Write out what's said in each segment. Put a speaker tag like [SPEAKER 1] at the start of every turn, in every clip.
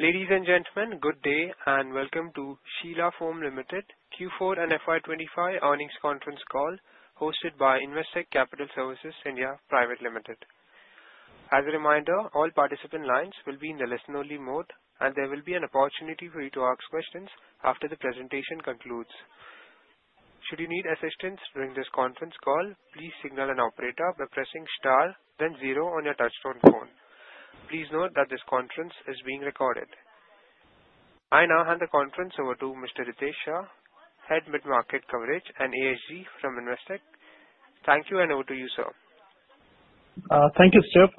[SPEAKER 1] Ladies and gentlemen, good day and welcome to Sheela Foam Limited Q4 and FY 2025 earnings conference call hosted by Investec Capital Services India Private Limited. As a reminder, all participant lines will be in the listen-only mode, and there will be an opportunity for you to ask questions after the presentation concludes. Should you need assistance during this conference call, please signal an operator by pressing star, then zero on your touch-tone phone. Please note that this conference is being recorded. I now hand the conference over to Mr. Ritesh Shah, Head Mid-Market Coverage and ESG from Investec. Thank you, and over to you, sir.
[SPEAKER 2] Thank you, Steve.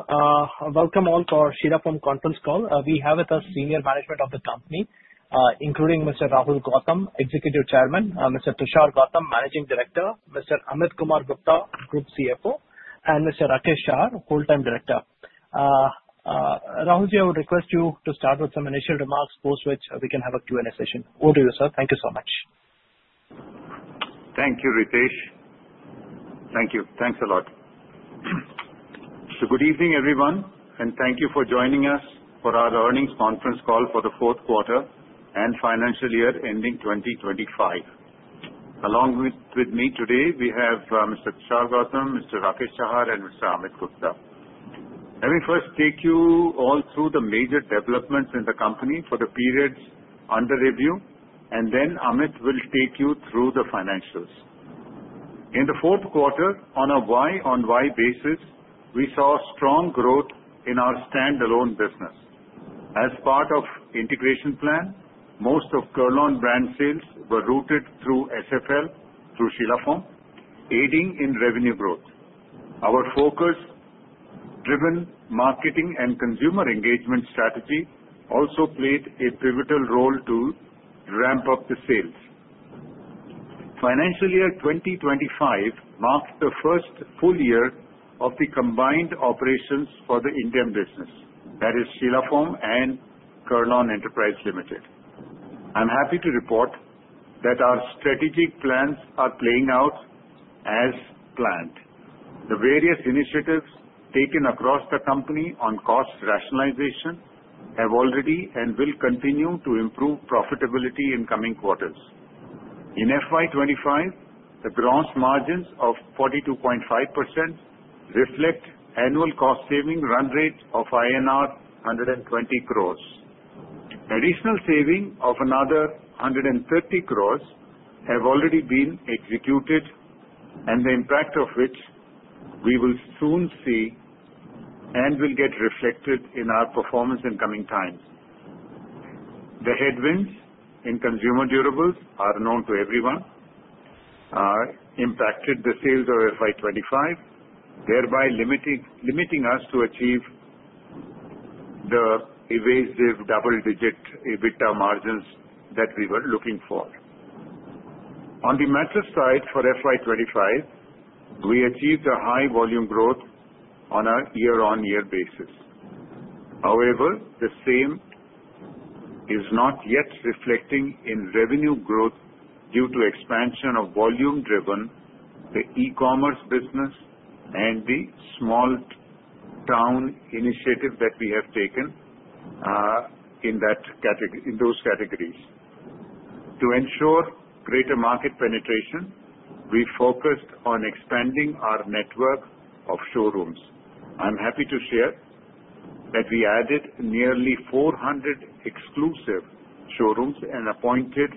[SPEAKER 2] Welcome all to our Sheela Foam conference call. We have with us senior management of the company, including Mr. Rahul Gautam, Executive Chairman; Mr. Tushar Gautam, Managing Director; Mr. Amit Kumar Gupta, Group CFO; and Mr. Rakesh Chahar, Full-Time Director. Rahul, I would request you to start with some initial remarks, post which we can have a Q&A session. Over to you, sir. Thank you so much.
[SPEAKER 3] Thank you, Ritesh. Thank you. Thanks a lot. Good evening, everyone, and thank you for joining us for our earnings conference call for the fourth quarter and financial year ending 2025. Along with me today, we have Mr. Tushar Gautam, Mr. Rakesh Chahar, and Mr. Amit Gupta. Let me first take you all through the major developments in the company for the period under review, and then Amit will take you through the financials. In the fourth quarter, on a year-on-year basis, we saw strong growth in our standalone business. As part of the integration plan, most of Kurlon brand sales were routed through SFL, through Sheela Foam, aiding in revenue growth. Our focus-driven marketing and consumer engagement strategy also played a pivotal role to ramp up the sales. Financial year 2025 marked the first full year of the combined operations for the Indian business, that is Sheela Foam and Kurlon Enterprise Limited. I'm happy to report that our strategic plans are playing out as planned. The various initiatives taken across the company on cost rationalization have already and will continue to improve profitability in coming quarters. In FY 2025, the gross margins of 42.5% reflect annual cost-saving run rate of INR 120 crores. Additional saving of another 130 crores have already been executed, and the impact of which we will soon see and will get reflected in our performance in coming times. The headwinds in consumer durables are known to everyone, impacted the sales of FY 2025, thereby limiting us to achieve the elusive double-digit EBITDA margins that we were looking for. On the mattress side for FY 2025, we achieved a high volume growth on a year-on-year basis. However, the same is not yet reflecting in revenue growth due to expansion of volume-driven e-commerce business and the small-town initiative that we have taken in those categories. To ensure greater market penetration, we focused on expanding our network of showrooms. I'm happy to share that we added nearly 400 exclusive showrooms and appointed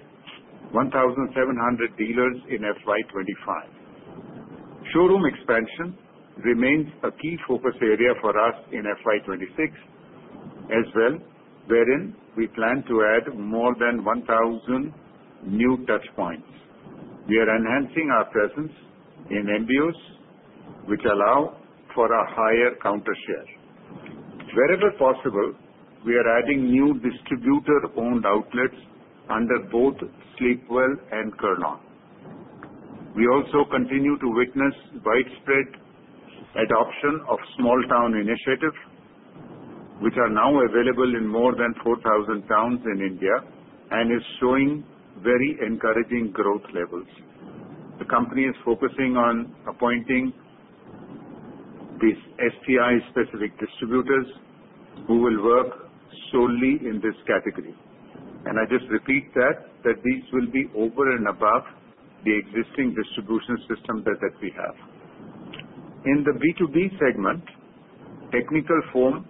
[SPEAKER 3] 1,700 dealers in FY 2025. Showroom expansion remains a key focus area for us in FY 2026 as well, wherein we plan to add more than 1,000 new touchpoints. We are enhancing our presence in MBOs, which allow for a higher counter share. Wherever possible, we are adding new distributor-owned outlets under both Sleepwell and Kurlon. We also continue to witness widespread adoption of small-town initiatives, which are now available in more than 4,000 towns in India and is showing very encouraging growth levels. The company is focusing on appointing these STI-specific distributors who will work solely in this category, and I just repeat that these will be over and above the existing distribution system that we have. In the B2B segment, Technical Foam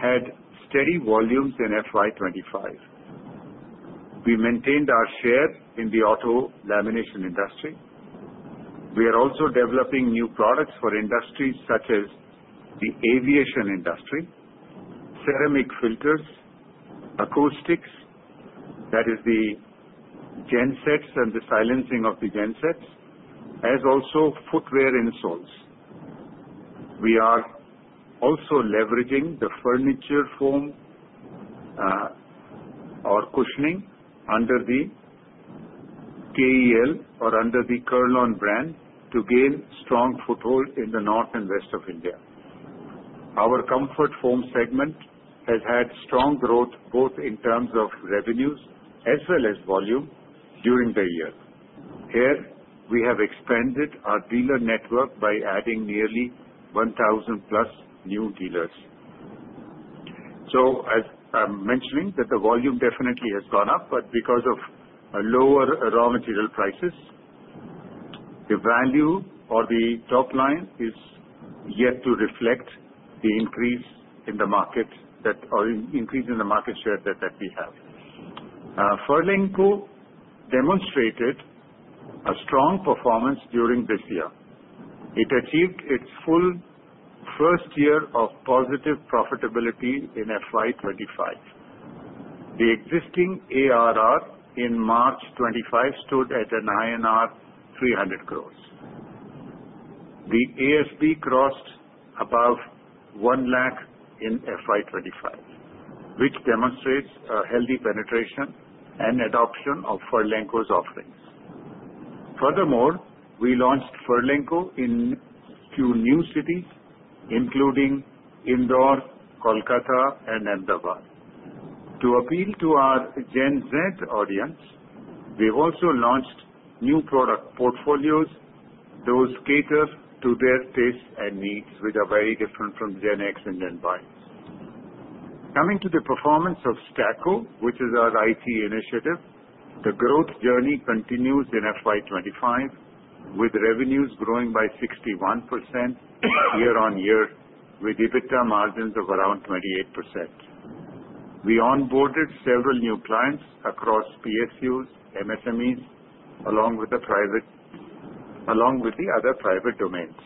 [SPEAKER 3] had steady volumes in FY 2025. We maintained our share in the auto lamination industry. We are also developing new products for industries such as the aviation industry, ceramic filters, acoustics, that is the gensets and the silencing of the gensets, as also footwear insoles. We are also leveraging the furniture foam or cushioning under the KL or under the Kurlon brand to gain strong foothold in the north and west of India. Our comfort foam segment has had strong growth both in terms of revenues as well as volume during the year. Here, we have expanded our dealer network by adding nearly 1,000-plus new dealers. I'm mentioning that the volume definitely has gone up, but because of lower raw material prices, the value or the top line is yet to reflect the increase in the market share that we have. Furlenco demonstrated a strong performance during this year. It achieved its full first year of positive profitability in FY 2025. The existing ARR in March 2025 stood at INR 300 crores. The ASP crossed above 1 lakh in FY 2025, which demonstrates a healthy penetration and adoption of Furlenco's offerings. Furthermore, we launched Furlenco in two new cities, including Indore, Kolkata, and Ahmedabad. To appeal to our Gen Z audience, we've also launched new product portfolios, those cater to their tastes and needs, which are very different from Gen X and Gen Y. Coming to the performance of Staqo, which is our IT initiative, the growth journey continues in FY 2025, with revenues growing by 61% year-on-year, with EBITDA margins of around 28%. We onboarded several new clients across PSUs, MSMEs, along with the other private domains.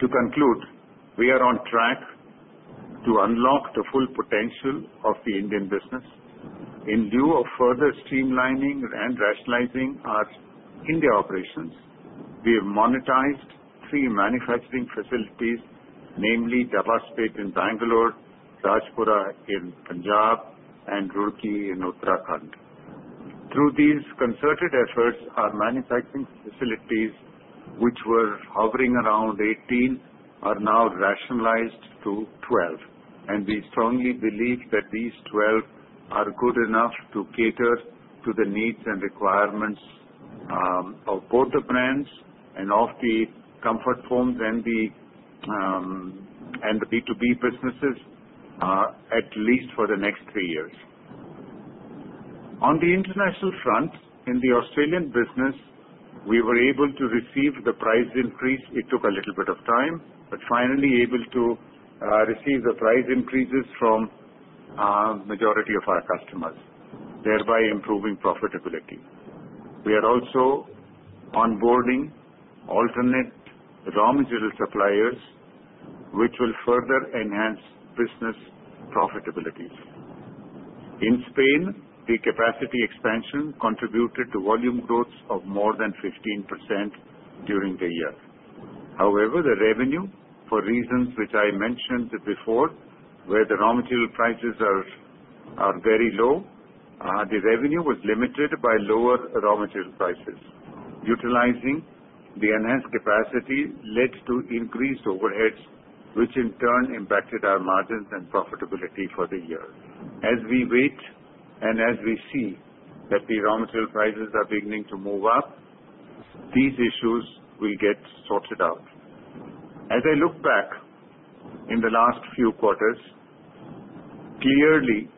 [SPEAKER 3] To conclude, we are on track to unlock the full potential of the Indian business. In lieu of further streamlining and rationalizing our India operations, we have monetized three manufacturing facilities, namely Dobbaspet in Bangalore, Rajpura in Punjab, and Roorkee in Uttarakhand. Through these concerted efforts, our manufacturing facilities, which were hovering around 18, are now rationalized to 12. We strongly believe that these 12 are good enough to cater to the needs and requirements of both the brands and of the comfort foams and the B2B businesses, at least for the next three years. On the international front, in the Australian business, we were able to receive the price increase. It took a little bit of time, but finally able to receive the price increases from the majority of our customers, thereby improving profitability. We are also onboarding alternate raw material suppliers, which will further enhance business profitability. In Spain, the capacity expansion contributed to volume growth of more than 15% during the year. However, the revenue, for reasons which I mentioned before, where the raw material prices are very low, the revenue was limited by lower raw material prices. Utilizing the enhanced capacity led to increased overheads, which in turn impacted our margins and profitability for the year. As we wait and as we see that the raw material prices are beginning to move up, these issues will get sorted out. As I look back in the last few quarters, clearly,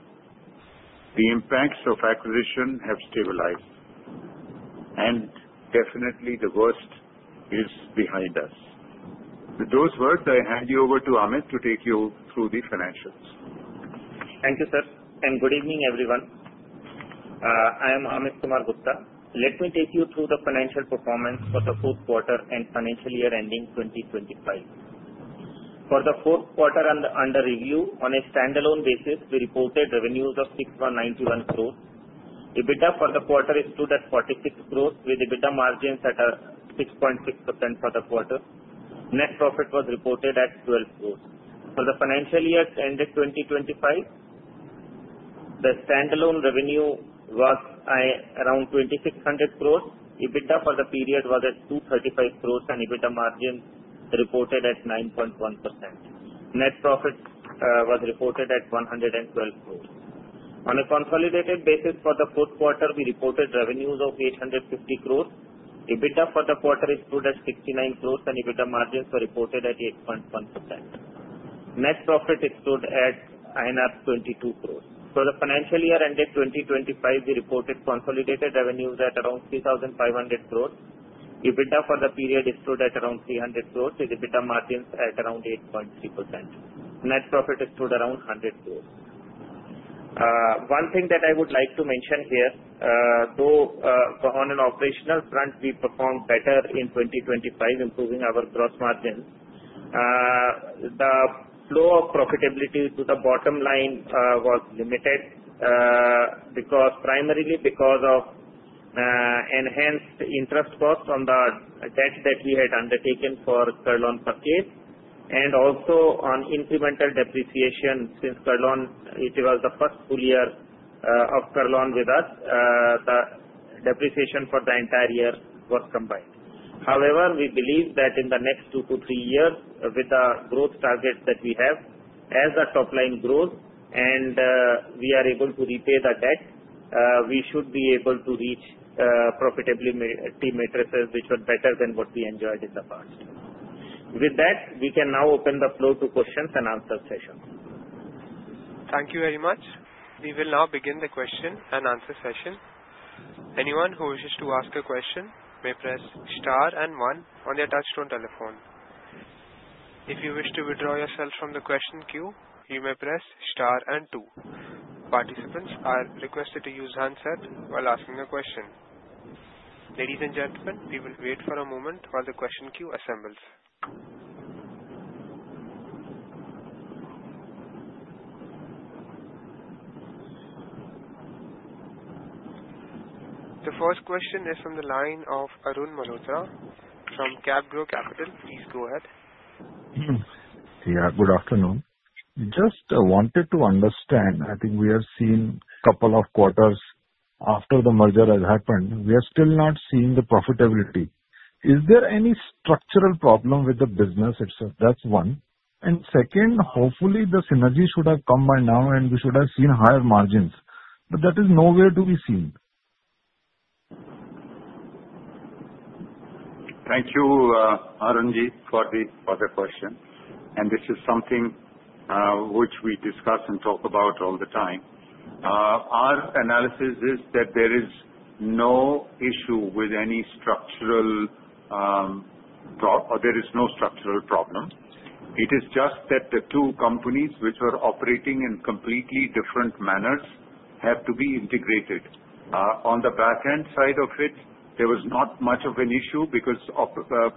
[SPEAKER 3] the impacts of acquisition have stabilized, and definitely the worst is behind us. With those words, I hand you over to Amit to take you through the financials.
[SPEAKER 4] Thank you, sir, and good evening, everyone. I am Amit Kumar Gupta. Let me take you through the financial performance for the fourth quarter and financial year ending 2025. For the fourth quarter under review, on a standalone basis, we reported revenues of 691 crores. EBITDA for the quarter is stood at 46 crores, with EBITDA margins at 6.6% for the quarter. Net profit was reported at 12 crores. For the financial year ended 2025, the standalone revenue was around INR 2,600 crores. EBITDA for the period was at INR 235 crores, and EBITDA margins reported at 9.1%. Net profit was reported at 112 crores. On a consolidated basis, for the fourth quarter, we reported revenues of 850 crores. EBITDA for the quarter is stood at 69 crores, and EBITDA margins were reported at 8.1%. Net profit is stood at INR 22 crores. For the financial year ended 2025, we reported consolidated revenues at around 3,500 crores. EBITDA for the period is stood at around 300 crores, with EBITDA margins at around 8.3%. Net profit is stood around 100 crores. One thing that I would like to mention here, though on an operational front, we performed better in 2025, improving our gross margins. The flow of profitability to the bottom line was limited primarily because of enhanced interest costs on the debt that we had undertaken for the Kurlon acquisition, and also on incremental depreciation. Since Kurlon, it was the first full year of Kurlon with us, the depreciation for the entire year was combined. However, we believe that in the next two-three years, with the growth targets that we have as a top-line growth, and we are able to repay the debt, we should be able to reach profitability metrics, which are better than what we enjoyed in the past. With that, we can now open the floor to questions and answer sessions.
[SPEAKER 1] Thank you very much. We will now begin the question and answer session. Anyone who wishes to ask a question may press star and one on their touch-tone telephone. If you wish to withdraw yourself from the question queue, you may press star and two. Participants are requested to use handset while asking a question. Ladies and gentlemen, we will wait for a moment while the question queue assembles. The first question is from the line of Arun Malhotra from CapGrow Capital. Please go ahead.
[SPEAKER 5] Yeah, good afternoon. Just wanted to understand. I think we have seen a couple of quarters after the merger has happened. We are still not seeing the profitability. Is there any structural problem with the business itself? That's one. And second, hopefully, the synergy should have come by now, and we should have seen higher margins. But that is nowhere to be seen.
[SPEAKER 3] Thank you, Arunji, for the question, and this is something which we discuss and talk about all the time. Our analysis is that there is no issue with any structural or there is no structural problem. It is just that the two companies, which are operating in completely different manners, have to be integrated. On the backend side of it, there was not much of an issue because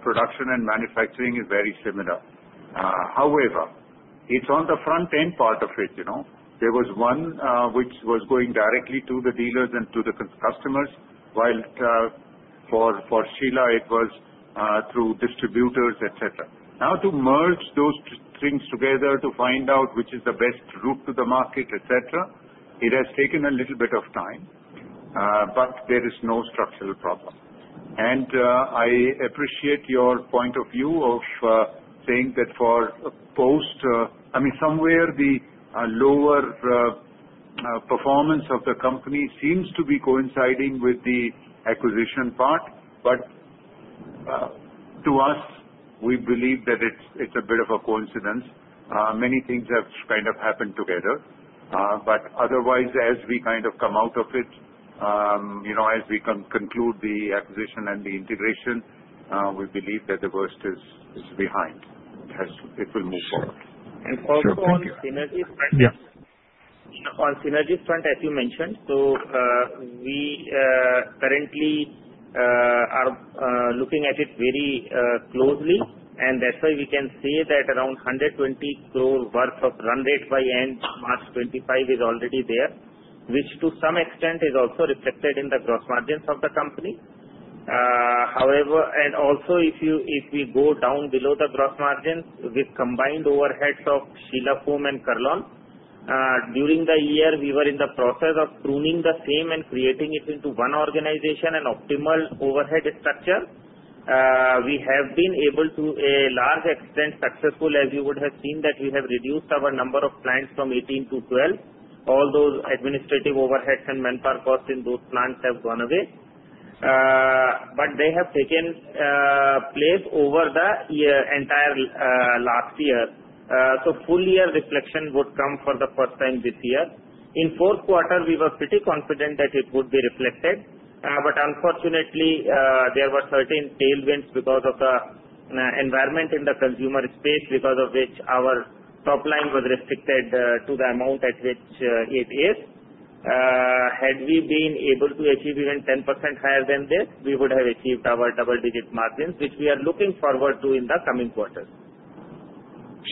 [SPEAKER 3] production and manufacturing is very similar. However, it's on the front-end part of it. There was one which was going directly to the dealers and to the customers, while for Sheela, it was through distributors, etc. Now, to merge those things together to find out which is the best route to the market, etc., it has taken a little bit of time, but there is no structural problem. I appreciate your point of view of saying that for post. I mean, somewhere the lower performance of the company seems to be coinciding with the acquisition part. But to us, we believe that it's a bit of a coincidence. Many things have kind of happened together. But otherwise, as we kind of come out of it, as we conclude the acquisition and the integration, we believe that the worst is behind. It will move forward.
[SPEAKER 4] And also on synergy front.
[SPEAKER 3] Yeah.
[SPEAKER 4] On synergy front, as you mentioned, so we currently are looking at it very closely, and that's why we can see that around 120 crore worth of run rate by end March 2025 is already there, which to some extent is also reflected in the gross margins of the company. And also, if we go down below the gross margins with combined overheads of Sheela Foam and Kurlon, during the year, we were in the process of pruning the same and creating it into one organization and optimal overhead structure. We have been able to, to a large extent, successful, as you would have seen, that we have reduced our number of clients from 18 to 12. All those administrative overheads and manpower costs in those plants have gone away. But they have taken place over the entire last year. So full year reflection would come for the first time this year. In fourth quarter, we were pretty confident that it would be reflected. But unfortunately, there were certain tailwinds because of the environment in the consumer space, because of which our top line was restricted to the amount at which it is. Had we been able to achieve even 10% higher than this, we would have achieved our double-digit margins, which we are looking forward to in the coming quarters.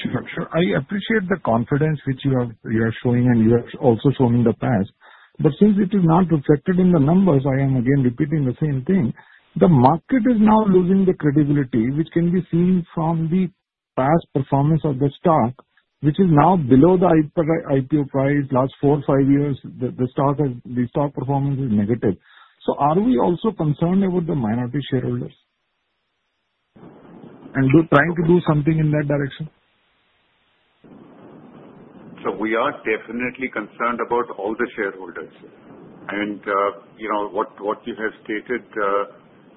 [SPEAKER 5] Sure, sure. I appreciate the confidence which you are showing, and you have also shown in the past. But since it is not reflected in the numbers, I am again repeating the same thing. The market is now losing the credibility, which can be seen from the past performance of the stock, which is now below the IPO price. Last four, five years, the stock performance is negative. So are we also concerned about the minority shareholders and trying to do something in that direction?
[SPEAKER 3] So we are definitely concerned about all the shareholders. And what you have stated,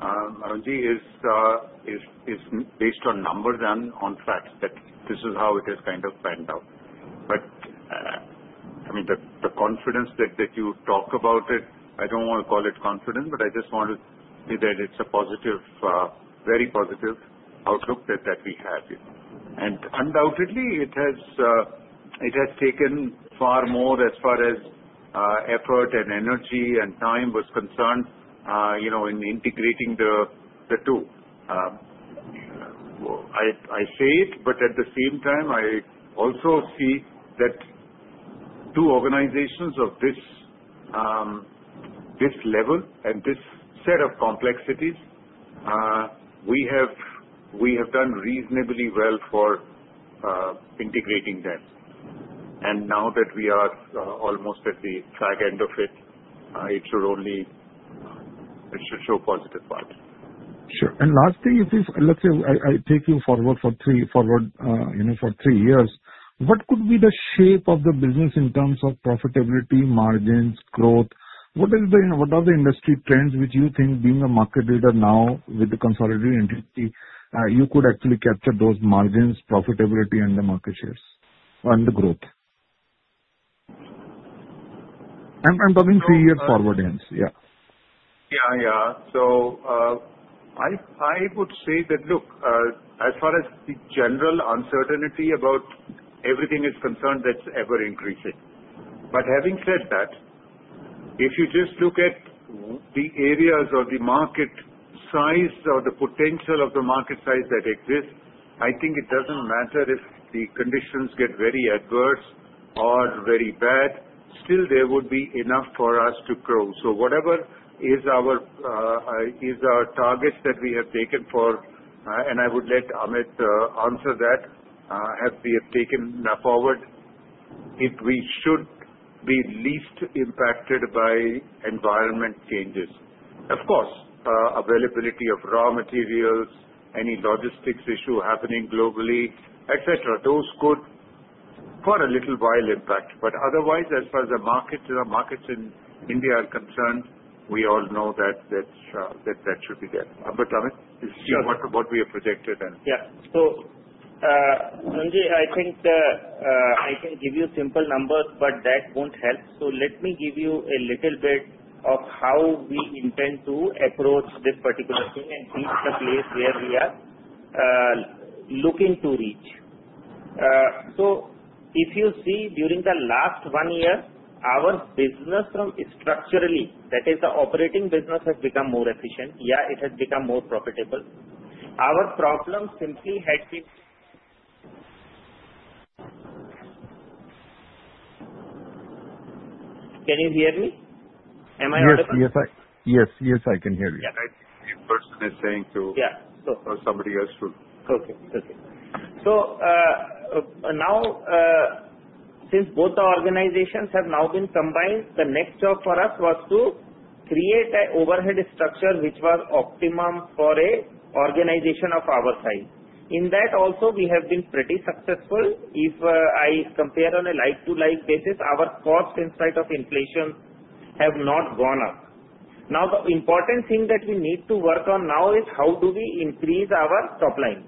[SPEAKER 3] Arunji, is based on numbers and on facts that this is how it has kind of panned out. But I mean, the confidence that you talk about it, I don't want to call it confidence, but I just want to say that it's a positive, very positive outlook that we have. And undoubtedly, it has taken far more as far as effort and energy and time was concerned in integrating the two. I say it, but at the same time, I also see that two organizations of this level and this set of complexities, we have done reasonably well for integrating them. And now that we are almost at the back end of it, it should show positive parts.
[SPEAKER 5] Sure. And lastly, let's say I take you forward for three years. What could be the shape of the business in terms of profitability, margins, growth? What are the industry trends which you think, being a market leader now with the consolidated entity, you could actually capture those margins, profitability, and the market shares and the growth? I'm talking three years forward, hence. Yeah.
[SPEAKER 3] Yeah, yeah. So I would say that, look, as far as the general uncertainty about everything is concerned, that's ever-increasing. But having said that, if you just look at the areas or the market size or the potential of the market size that exists, I think it doesn't matter if the conditions get very adverse or very bad. Still, there would be enough for us to grow. So whatever is our targets that we have taken for, and I would let Amit answer that, have we taken forward, we should be least impacted by environment changes. Of course, availability of raw materials, any logistics issue happening globally, etc., those could, for a little while, impact. But otherwise, as far as the markets in India are concerned, we all know that that should be there. But Amit, is this what we have projected?
[SPEAKER 4] Yeah. So Arunji, I can give you simple numbers, but that won't help. So let me give you a little bit of how we intend to approach this particular thing and reach the place where we are looking to reach. So if you see, during the last one year, our business from structurally, that is, the operating business has become more efficient, yeah, it has become more profitable. Our problem simply had been. Can you hear me? Am I audible?
[SPEAKER 5] Yes, yes, I can hear you.
[SPEAKER 3] Yeah, I think the person is saying to or somebody else to.
[SPEAKER 4] Okay, okay. So now, since both organizations have now been combined, the next job for us was to create an overhead structure which was optimum for an organization of our size. In that, also, we have been pretty successful. If I compare on a like-to-like basis, our costs in spite of inflation have not gone up. Now, the important thing that we need to work on now is how do we increase our top line.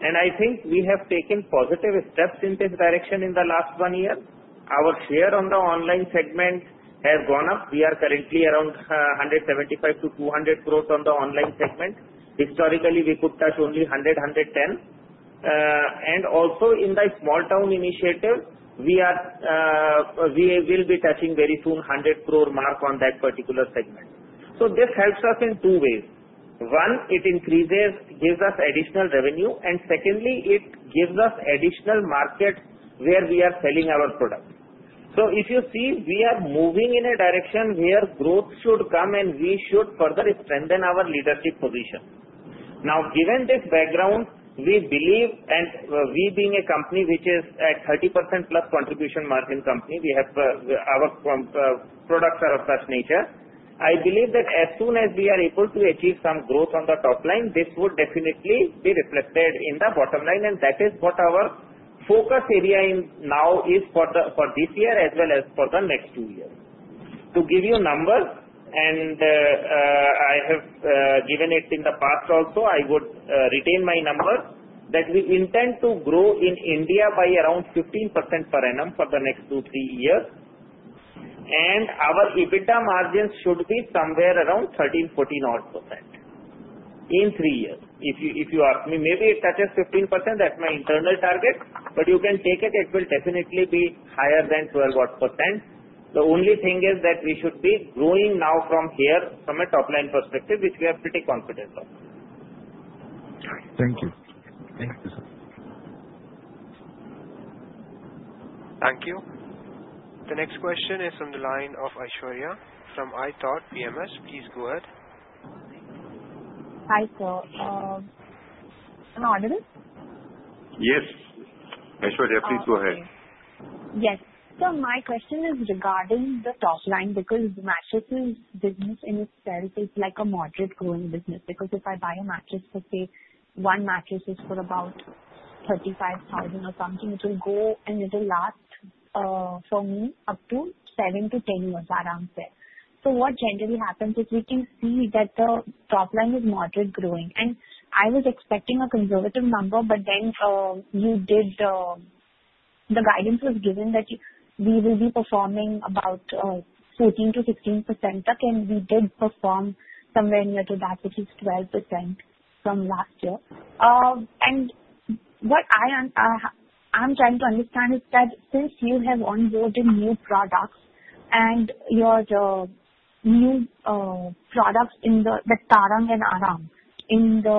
[SPEAKER 4] And I think we have taken positive steps in this direction in the last one year. Our share on the online segment has gone up. We are currently around 175 crores-200 crores on the online segment. Historically, we could touch only 100-110. And also, in the small-town initiative, we will be touching very soon 100 crore mark on that particular segment. So this helps us in two ways. One, it gives us additional revenue. And secondly, it gives us additional market where we are selling our product. So if you see, we are moving in a direction where growth should come, and we should further strengthen our leadership position. Now, given this background, we believe, and we being a company which is a 30%+ contribution margin company, our products are of such nature, I believe that as soon as we are able to achieve some growth on the top line, this would definitely be reflected in the bottom line. And that is what our focus area now is for this year as well as for the next two years. To give you numbers, and I have given it in the past also, I would retain my number that we intend to grow in India by around 15% per annum for the next two-three years. And our EBITDA margins should be somewhere around 13%-14% odd in three years. If you ask me, maybe it touches 15%. That's my internal target. But you can take it. It will definitely be higher than 12% odd. The only thing is that we should be growing now from here from a top-line perspective, which we are pretty confident of.
[SPEAKER 5] Thank you.
[SPEAKER 3] Thank you.
[SPEAKER 1] Thank you. The next question is from the line of Aishwarya from iThought PMS. Please go ahead.
[SPEAKER 6] Hi, sir. No, I didn't.
[SPEAKER 3] Yes. Aishwarya, please go ahead.
[SPEAKER 6] Yes. So my question is regarding the top line because mattresses business in itself is like a moderate growing business. Because if I buy a mattress, let's say one mattress is for about 35,000 or something, it will go and it will last for me up to 7-10 years, around there. So what generally happens is we can see that the top line is moderate growing. And I was expecting a conservative number, but then you did the guidance was given that we will be performing about 14%-15%, and we did perform somewhere near to that, which is 12% from last year. And what I'm trying to understand is that since you have onboarded new products and your new products in the Tarang and Aram in the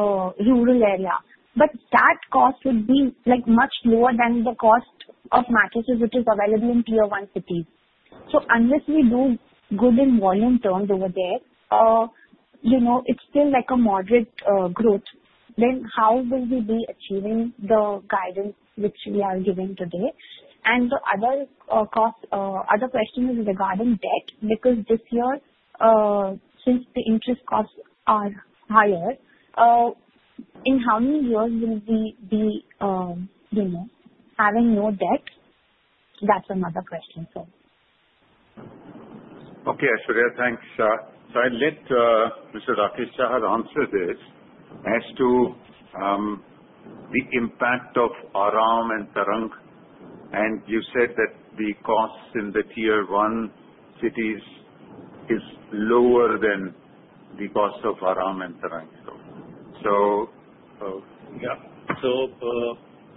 [SPEAKER 6] rural area, but that cost would be much lower than the cost of mattresses which is available in tier-one cities. So unless we do good in volume terms over there, it's still like a moderate growth. Then how will we be achieving the guidance which we are giving today? And the other question is regarding debt because this year, since the interest costs are higher, in how many years will we be having no debt? That's another question, sir.
[SPEAKER 3] Okay, Aishwarya, thanks. So I'll let Mr. Rakesh Chahar answer this.
[SPEAKER 7] As to the impact of Aram and Tarang. And you said that the costs in the tier one cities is lower than the cost of Aram and Tarang. So yeah. So.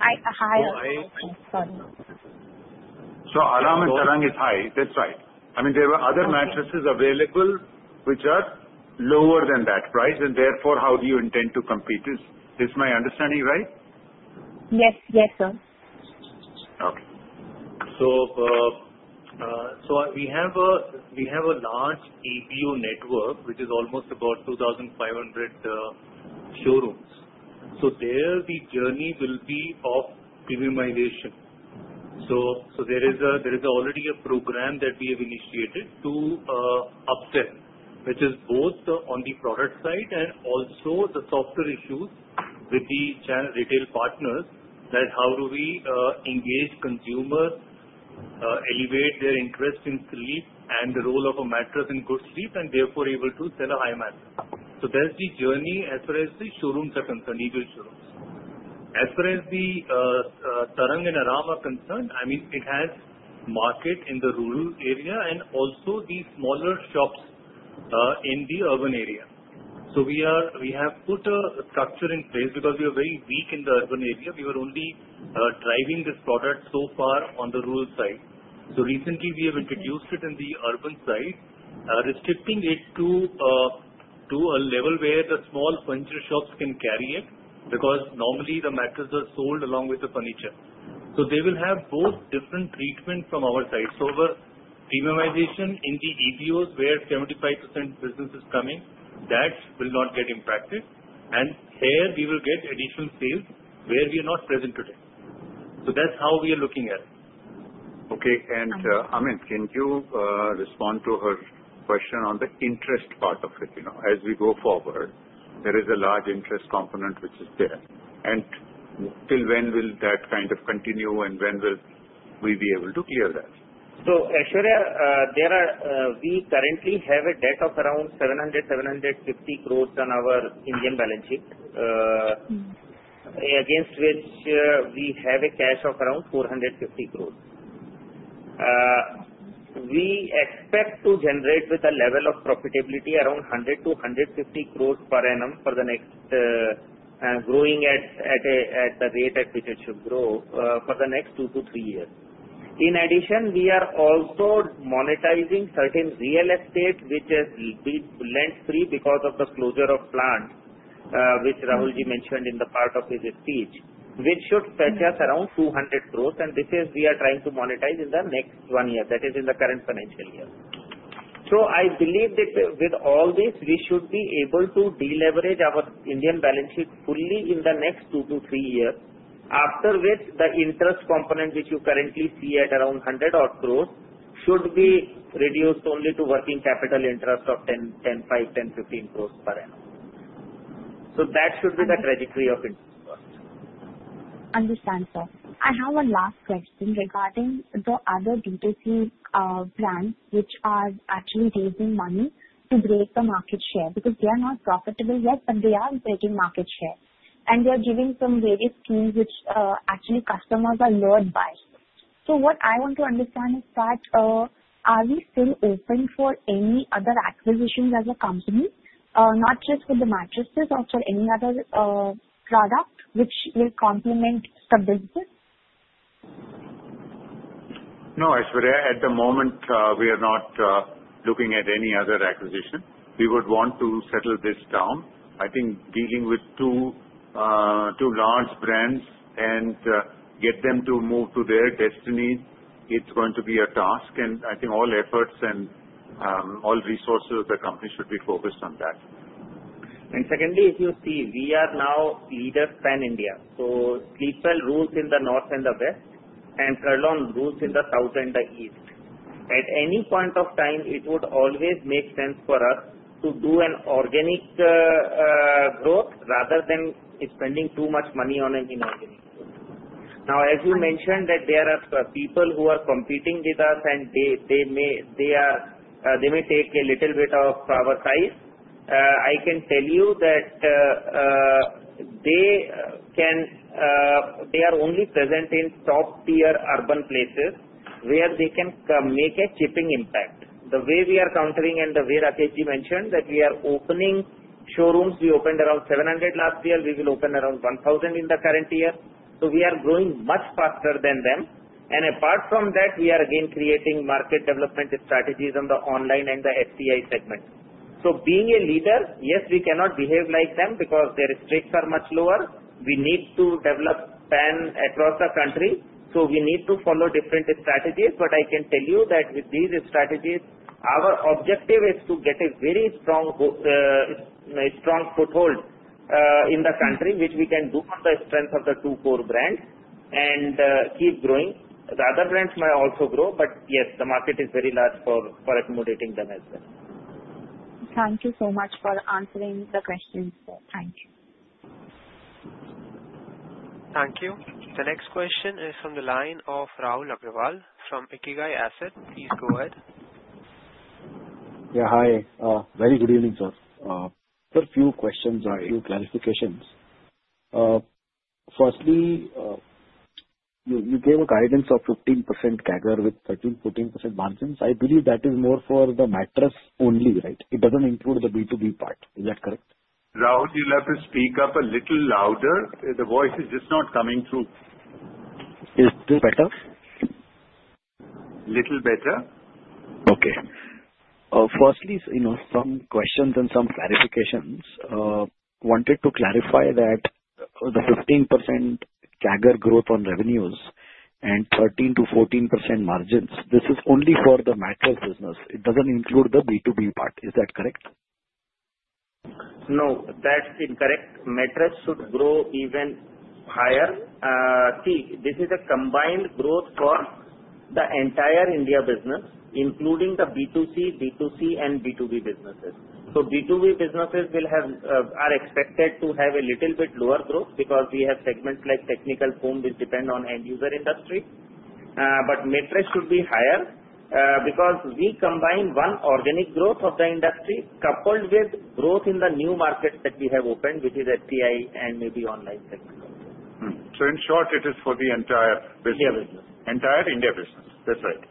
[SPEAKER 6] Higher. Sorry.
[SPEAKER 7] So Aram and Tarang is high. That's right. I mean, there are other mattresses available which are lower than that price. And therefore, how do you intend to compete? Is my understanding right?
[SPEAKER 6] Yes, yes, sir.
[SPEAKER 7] Okay. So we have a large EBO network, which is almost about 2,500 showrooms. So there, the journey will be of premiumization. So there is already a program that we have initiated to upsell, which is both on the product side and also the software issues with the retail partners that how do we engage consumers, elevate their interest in sleep and the role of a mattress in good sleep, and therefore able to sell a high mattress. So that's the journey as far as the showrooms are concerned, EBO showrooms. As far as the Tarang and Aram are concerned, I mean, it has market in the rural area and also the smaller shops in the urban area. So we have put a structure in place because we are very weak in the urban area. We were only driving this product so far on the rural side. So recently, we have introduced it in the urban side, restricting it to a level where the small furniture shops can carry it because normally the mattresses are sold along with the furniture. So they will have both different treatments from our side. So premiumization in the EBOs where 75% business is coming, that will not get impacted. And there, we will get additional sales where we are not present today. So that's how we are looking at it.
[SPEAKER 3] Okay. And Amit, can you respond to her question on the interest part of it? As we go forward, there is a large interest component which is there. And till when will that kind of continue and when will we be able to clear that?
[SPEAKER 4] Aishwarya, we currently have a debt of around 700 crores-750 crores on our Indian balance sheet, against which we have a cash of around 450 crores. We expect to generate with a level of profitability around 100 crores-150 crores per annum for the next growing at the rate at which it should grow for the next two to three years. In addition, we are also monetizing certain real estate which has been left free because of the closure of plants, which Rahulji mentioned in the part of his speech, which should fetch us around 200 crores. This we are trying to monetize in the next one year, that is, in the current financial year. So I believe that with all this, we should be able to deleverage our Indian balance sheet fully in the next two to three years, after which the interest component, which you currently see at around 100-odd crores, should be reduced only to working capital interest of 10 crores-15 crores per annum. So that should be the trajectory of interest costs.
[SPEAKER 6] Understand, sir. I have one last question regarding the other B2C brands which are actually raising money to break the market share because they are not profitable yet, but they are breaking market share. And they are giving some various schemes which actually customers are lured by. So what I want to understand is that are we still open for any other acquisitions as a company, not just for the mattresses or for any other product which will complement the business?
[SPEAKER 3] No, Aishwarya, at the moment, we are not looking at any other acquisition. We would want to settle this down. I think dealing with two large brands and get them to move to their destinies, it's going to be a task, and I think all efforts and all resources of the company should be focused on that.
[SPEAKER 4] Secondly, if you see, we are now leader pan-India. So Sleepwell rules in the north and the west, and Kurlon rules in the south and the east. At any point of time, it would always make sense for us to do an organic growth rather than spending too much money on an inorganic growth. Now, as you mentioned that there are people who are competing with us and they may take a little bit of our size, I can tell you that they are only present in top-tier urban places where they can make a significant impact. The way we are countering and the way Rakesh mentioned that we are opening showrooms, we opened around 700 last year. We will open around 1,000 in the current year. So we are growing much faster than them. And apart from that, we are again creating market development strategies on the online and the STI segment. So being a leader, yes, we cannot behave like them because their stakes are much lower. We need to develop across the country. So we need to follow different strategies. But I can tell you that with these strategies, our objective is to get a very strong foothold in the country, which we can do on the strength of the two core brands and keep growing. The other brands might also grow, but yes, the market is very large for accommodating them as well.
[SPEAKER 6] Thank you so much for answering the questions, sir. Thank you.
[SPEAKER 1] Thank you. The next question is from the line of Rahul Agrawal from IKIGAI Asset. Please go ahead.
[SPEAKER 8] Yeah, hi. Very good evening, sir. Sir, a few questions or a few clarifications. Firstly, you gave a guidance of 15% CAGR with 13%-14% margins. I believe that is more for the mattress only, right? It doesn't include the B2B part. Is that correct?
[SPEAKER 3] Rahul, you'll have to speak up a little louder. The voice is just not coming through.
[SPEAKER 8] Is this better?
[SPEAKER 3] Little better.
[SPEAKER 8] Okay. Firstly, some questions and some clarifications. Wanted to clarify that the 15% CAGR growth on revenues and 13%-14% margins, this is only for the mattress business. It doesn't include the B2B part. Is that correct?
[SPEAKER 4] No, that's incorrect. Mattress should grow even higher. See, this is a combined growth for the entire India business, including the B2C and B2B businesses. So B2B businesses are expected to have a little bit lower growth because we have segments like technical foam which depend on end-user industry. But mattress should be higher because we combine one organic growth of the industry coupled with growth in the new markets that we have opened, which is STI and maybe online segment.
[SPEAKER 3] So in short, it is for the entire business.
[SPEAKER 4] India business.
[SPEAKER 3] Entire India business. That's right.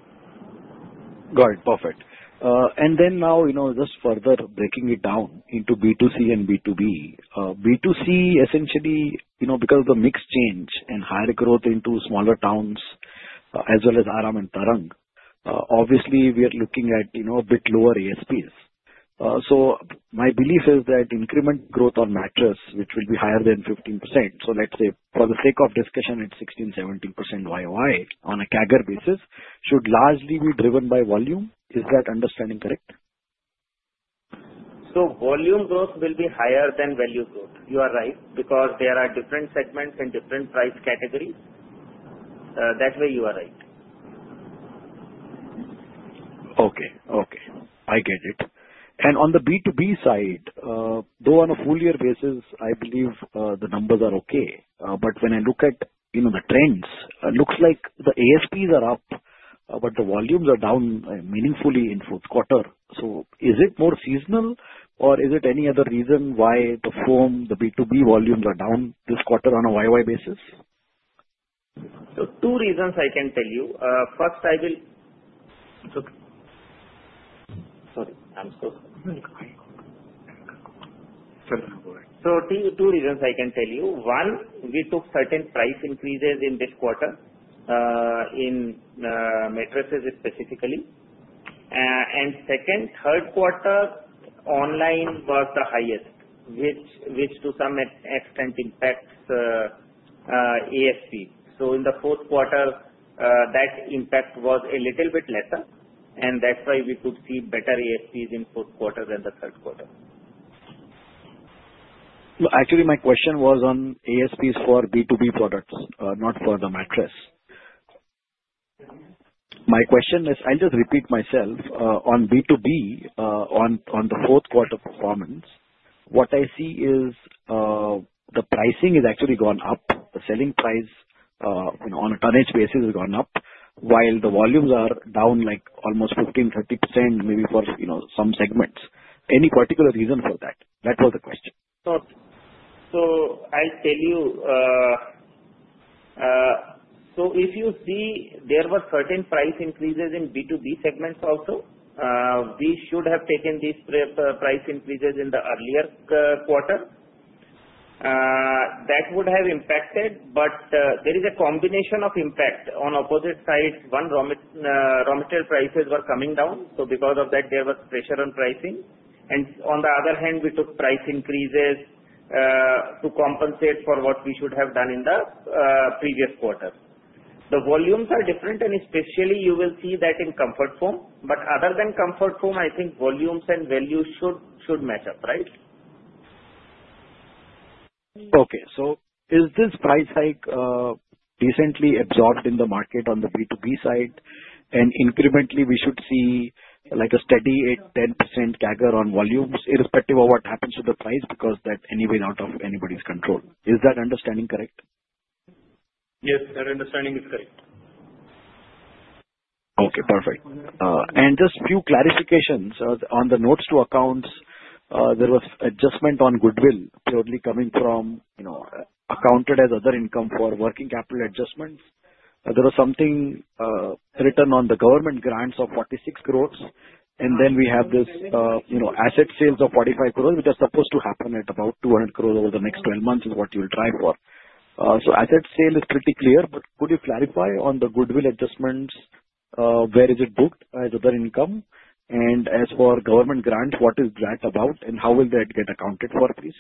[SPEAKER 8] Got it. Perfect. And then now, just further breaking it down into B2C and B2B, B2C, essentially, because of the mix change and higher growth into smaller towns as well as Aram and Tarang, obviously, we are looking at a bit lower ASPs. So my belief is that increment growth on mattress, which will be higher than 15%, so let's say for the sake of discussion at 16%-17% YoY on a CAGR basis, should largely be driven by volume. Is that understanding correct?
[SPEAKER 4] So volume growth will be higher than value growth. You are right because there are different segments and different price categories. That way, you are right.
[SPEAKER 8] Okay. Okay. I get it and on the B2B side, though on a full-year basis, I believe the numbers are okay, but when I look at the trends, it looks like the ASPs are up, but the volumes are down meaningfully in fourth quarter, so is it more seasonal, or is it any other reason why the foam, the B2B volumes are down this quarter on a YoY basis?
[SPEAKER 4] So two reasons I can tell you. One, we took certain price increases in this quarter in mattresses specifically. And second, third quarter, online was the highest, which to some extent impacts ASP. So in the fourth quarter, that impact was a little bit lesser. And that's why we could see better ASPs in fourth quarter than the third quarter.
[SPEAKER 8] Actually, my question was on ASPs for B2B products, not for the mattress. My question is, I'll just repeat myself. On B2B, on the fourth quarter performance, what I see is the pricing has actually gone up. The selling price on a tonnage basis has gone up, while the volumes are down like almost 15%-30%, maybe for some segments. Any particular reason for that? That was the question.
[SPEAKER 4] So I'll tell you. So if you see, there were certain price increases in B2B segments also. We should have taken these price increases in the earlier quarter. That would have impacted, but there is a combination of impact on opposite sides. One raw material prices were coming down. So because of that, there was pressure on pricing. And on the other hand, we took price increases to compensate for what we should have done in the previous quarter. The volumes are different, and especially you will see that in comfort foam. But other than comfort foam, I think volumes and value should match up, right?
[SPEAKER 8] Okay. So is this price hike decently absorbed in the market on the B2B side? And incrementally, we should see a steady 10% CAGR on volumes, irrespective of what happens to the price because that's anyway out of anybody's control. Is that understanding correct?
[SPEAKER 3] Yes, that understanding is correct.
[SPEAKER 8] Okay. Perfect, and just a few clarifications. On the notes to accounts, there was adjustment on goodwill purely coming from accounted as other income for working capital adjustments. There was something written on the government grants of 46 crores, and then we have this asset sales of 45 crores, which are supposed to happen at about 200 crores over the next 12 months, which is what you will try for, so asset sale is pretty clear, but could you clarify on the goodwill adjustments, where is it booked as other income, and as for government grants, what is that about, and how will that get accounted for, please?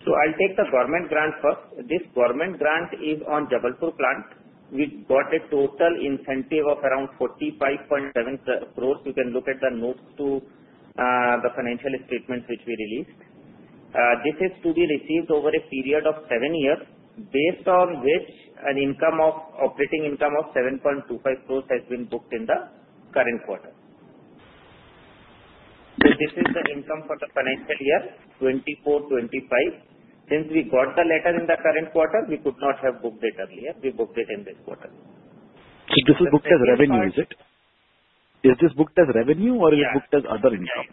[SPEAKER 4] I'll take the government grant first. This government grant is on Jabalpur plant. We got a total incentive of around 45.7 crores. You can look at the notes to the financial statements which we released. This is to be received over a period of seven years, based on which an operating income of 7.25 crores has been booked in the current quarter. This is the income for the financial year 2024-2025. Since we got the letter in the current quarter, we could not have booked it earlier. We booked it in this quarter.
[SPEAKER 8] So this is booked as revenue, is it? Is this booked as revenue, or is it booked as other income?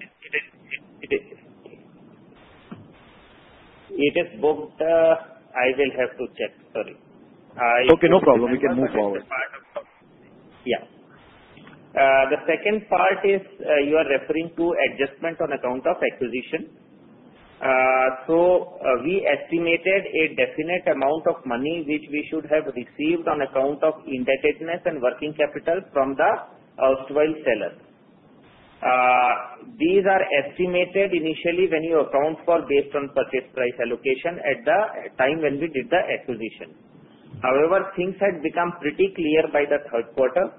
[SPEAKER 4] It is booked. I will have to check. Sorry.
[SPEAKER 8] Okay. No problem. We can move forward.
[SPEAKER 4] Yeah. The second part is you are referring to adjustment on account of acquisition. So we estimated a definite amount of money which we should have received on account of indebtedness and working capital from the outside sellers. These are estimated initially when you account for based on purchase price allocation at the time when we did the acquisition. However, things had become pretty clear by the third quarter,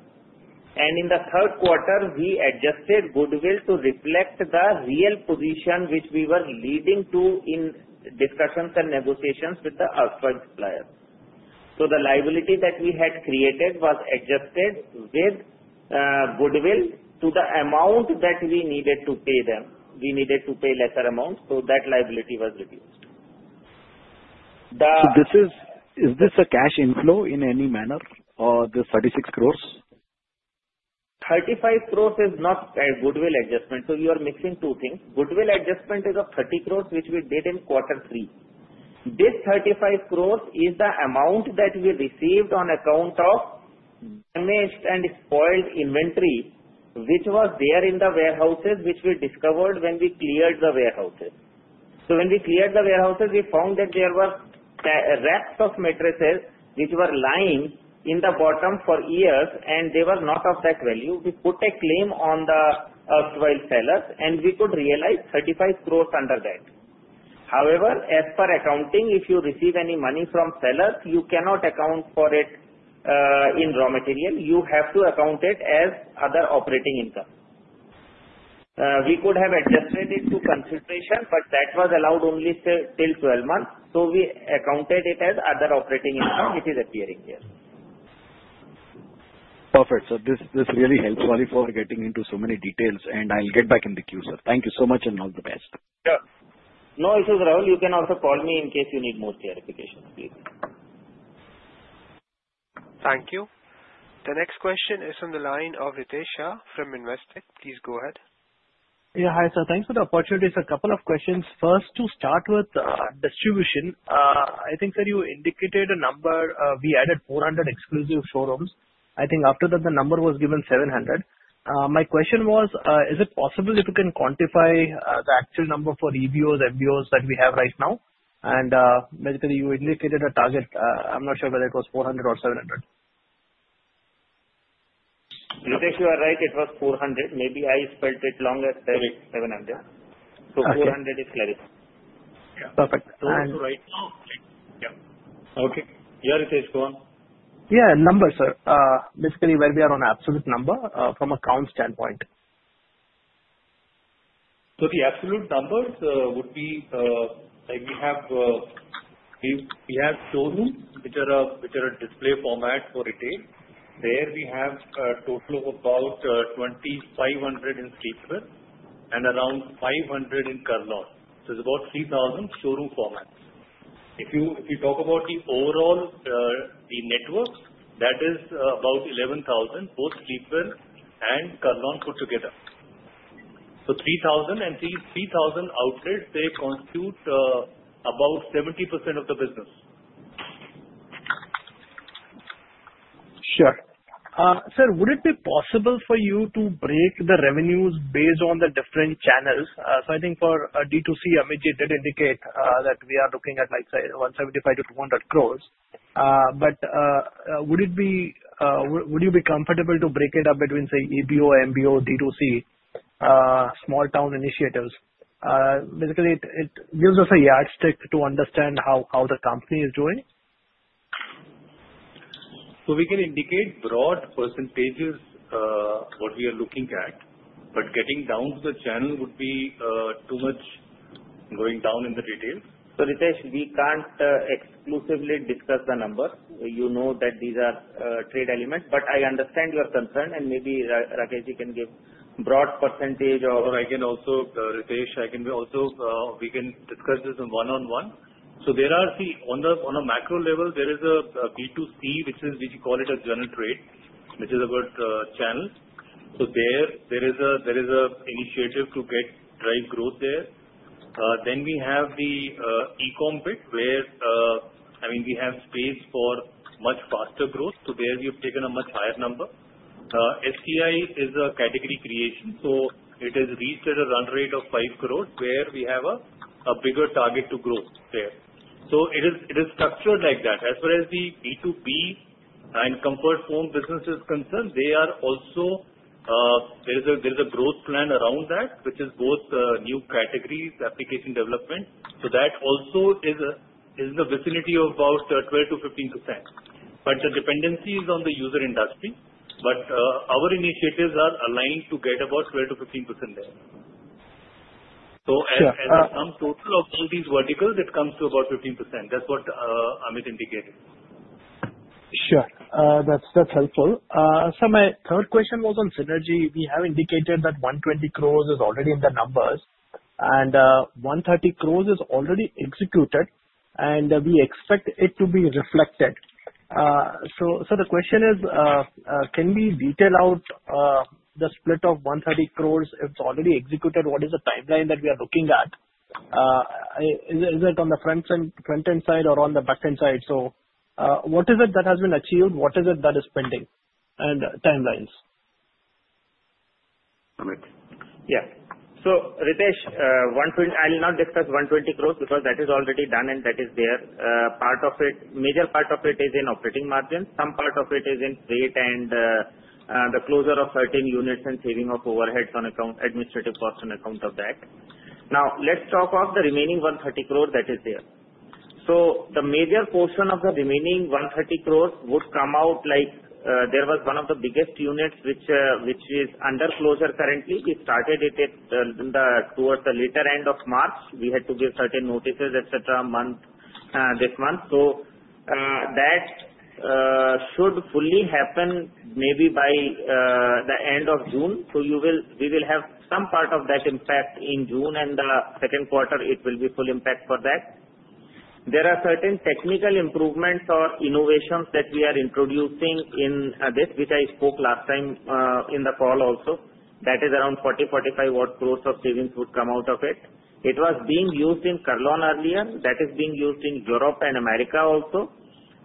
[SPEAKER 4] and in the third quarter, we adjusted goodwill to reflect the real position which we were leading to in discussions and negotiations with the outside suppliers. So the liability that we had created was adjusted with goodwill to the amount that we needed to pay them. We needed to pay lesser amount, so that liability was reduced.
[SPEAKER 8] Is this a cash inflow in any manner or the 36 crore?
[SPEAKER 4] 35 crores is not a goodwill adjustment. So you are mixing two things. Goodwill adjustment is of 30 crores, which we did in quarter three. This 35 crores is the amount that we received on account of damaged and spoiled inventory, which was there in the warehouses, which we discovered when we cleared the warehouses. So when we cleared the warehouses, we found that there were racks of mattresses which were lying in the bottom for years, and they were not of that value. We put a claim on the outside sellers, and we could realize 35 crores under that. However, as per accounting, if you receive any money from sellers, you cannot account for it in raw material. You have to account it as other operating income. We could have adjusted it to consideration, but that was allowed only till 12 months. So we accounted it as other operating income, which is appearing here.
[SPEAKER 8] Perfect. So this really helps, Rahul, for getting into so many details. And I'll get back in the queue, sir. Thank you so much and all the best.
[SPEAKER 4] Sure. No, this is Rahul. You can also call me in case you need more clarification, please.
[SPEAKER 3] Thank you. The next question is from the line of Ritesh Shah from Investec. Please go ahead.
[SPEAKER 2] Yeah. Hi, sir. Thanks for the opportunity. So a couple of questions. First, to start with distribution, I think, sir, you indicated a number. We added 400 exclusive showrooms. I think after that, the number was given 700. My question was, is it possible if you can quantify the actual number for EBOs, MBOs that we have right now? And basically, you indicated a target. I'm not sure whether it was 400 or 700.
[SPEAKER 4] Ritesh, you are right. It was 400. Maybe I spelled it wrong as 700. So 400 is clearer.
[SPEAKER 2] Perfect.
[SPEAKER 4] So right now, yeah.
[SPEAKER 3] Okay. Yeah, Ritesh, go on.
[SPEAKER 2] Yeah. Number, sir. Basically, where we are on absolute number from a count standpoint.
[SPEAKER 3] So the absolute numbers would be we have showrooms which are a display format for retail. There we have a total of about 2,500 in Sleepwell and around 500 in Kurlon. So it's about 3,000 showroom formats. If you talk about the overall network, that is about 11,000, both Sleepwell and Kurlon put together. So 3,000 and 3,000 outlets, they constitute about 70% of the business.
[SPEAKER 2] Sure. Sir, would it be possible for you to break the revenues based on the different channels? So I think for D2C, Amitji did indicate that we are looking at INR 175-INR 200 crores. But would you be comfortable to break it up between, say, EBO, MBO, D2C, small-town initiatives? Basically, it gives us a yardstick to understand how the company is doing.
[SPEAKER 3] So we can indicate broad percentages what we are looking at, but getting down to the channel would be too much going down in the details.
[SPEAKER 4] So Ritesh, we can't exclusively discuss the numbers. You know that these are trade elements. But I understand your concern, and maybe Ritesh can give a broad percentage of.
[SPEAKER 3] Or I can also, Ritesh, we can discuss this one-on-one. So there is, see, on a macro level, there is a B2C, which we call it a general trade, which is a good channel. So there is an initiative to drive growth there. Then we have the e-com bit, where I mean, we have space for much faster growth. So there we have taken a much higher number. STI is a category creation, so it has reached at a run rate of 5 crores, where we have a bigger target to grow there. So it is structured like that. As far as the B2B and comfort foam business is concerned, there is a growth plan around that, which is both new categories, application development. So that also is in the vicinity of about 12%-15%. But the dependency is on the user industry. But our initiatives are aligned to get about 12%-15% there. So as a sum total of all these verticals, it comes to about 15%. That's what Amit indicated.
[SPEAKER 2] Sure. That's helpful. Sir, my third question was on synergy. We have indicated that 120 crores is already in the numbers, and 130 crores is already executed, and we expect it to be reflected. So the question is, can we detail out the split of 130 crores if it's already executed? What is the timeline that we are looking at? Is it on the front-end side or on the back-end side? So what is it that has been achieved? What is it that is pending and timelines?
[SPEAKER 4] Yeah. So Ritesh, I'll not discuss 120 crores because that is already done, and that is there. Major part of it is in operating margin. Some part of it is in freight and the closure of certain units and saving of overheads on administrative costs on account of that. Now, let's talk of the remaining 130 crores that is there. So the major portion of the remaining 130 crores would come out like there was one of the biggest units, which is under closure currently. We started it towards the later end of March. We had to give certain notices, etc., this month. So that should fully happen maybe by the end of June. So we will have some part of that impact in June, and the second quarter, it will be full impact for that. There are certain technical improvements or innovations that we are introducing in this, which I spoke last time in the call also. That is around 40 crores-45 crores of savings would come out of it. It was being used in Kurlon earlier. That is being used in Europe and America also.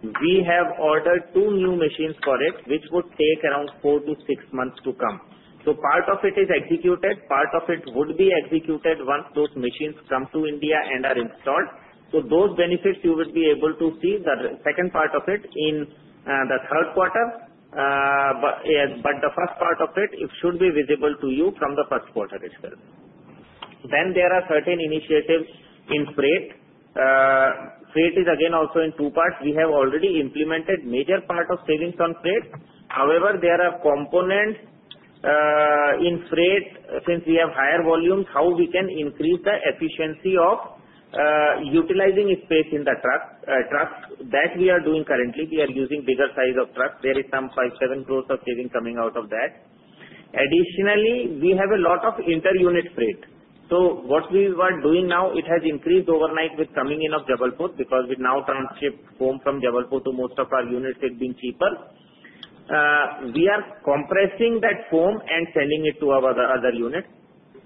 [SPEAKER 4] We have ordered two new machines for it, which would take around four to six months to come. So part of it is executed. Part of it would be executed once those machines come to India and are installed. So those benefits you would be able to see the second part of it in the third quarter. But the first part of it, it should be visible to you from the first quarter itself. Then there are certain initiatives in freight. Freight is again also in two parts. We have already implemented a major part of savings on freight. However, there are components in freight. Since we have higher volumes, how we can increase the efficiency of utilizing space in the trucks that we are doing currently. We are using bigger size of trucks. There is some 5 crores-7 crores of savings coming out of that. Additionally, we have a lot of inter-unit freight. So what we were doing now, it has increased overnight with coming in of Jabalpur because we now transship foam from Jabalpur to most of our units. It's been cheaper. We are compressing that foam and sending it to our other units.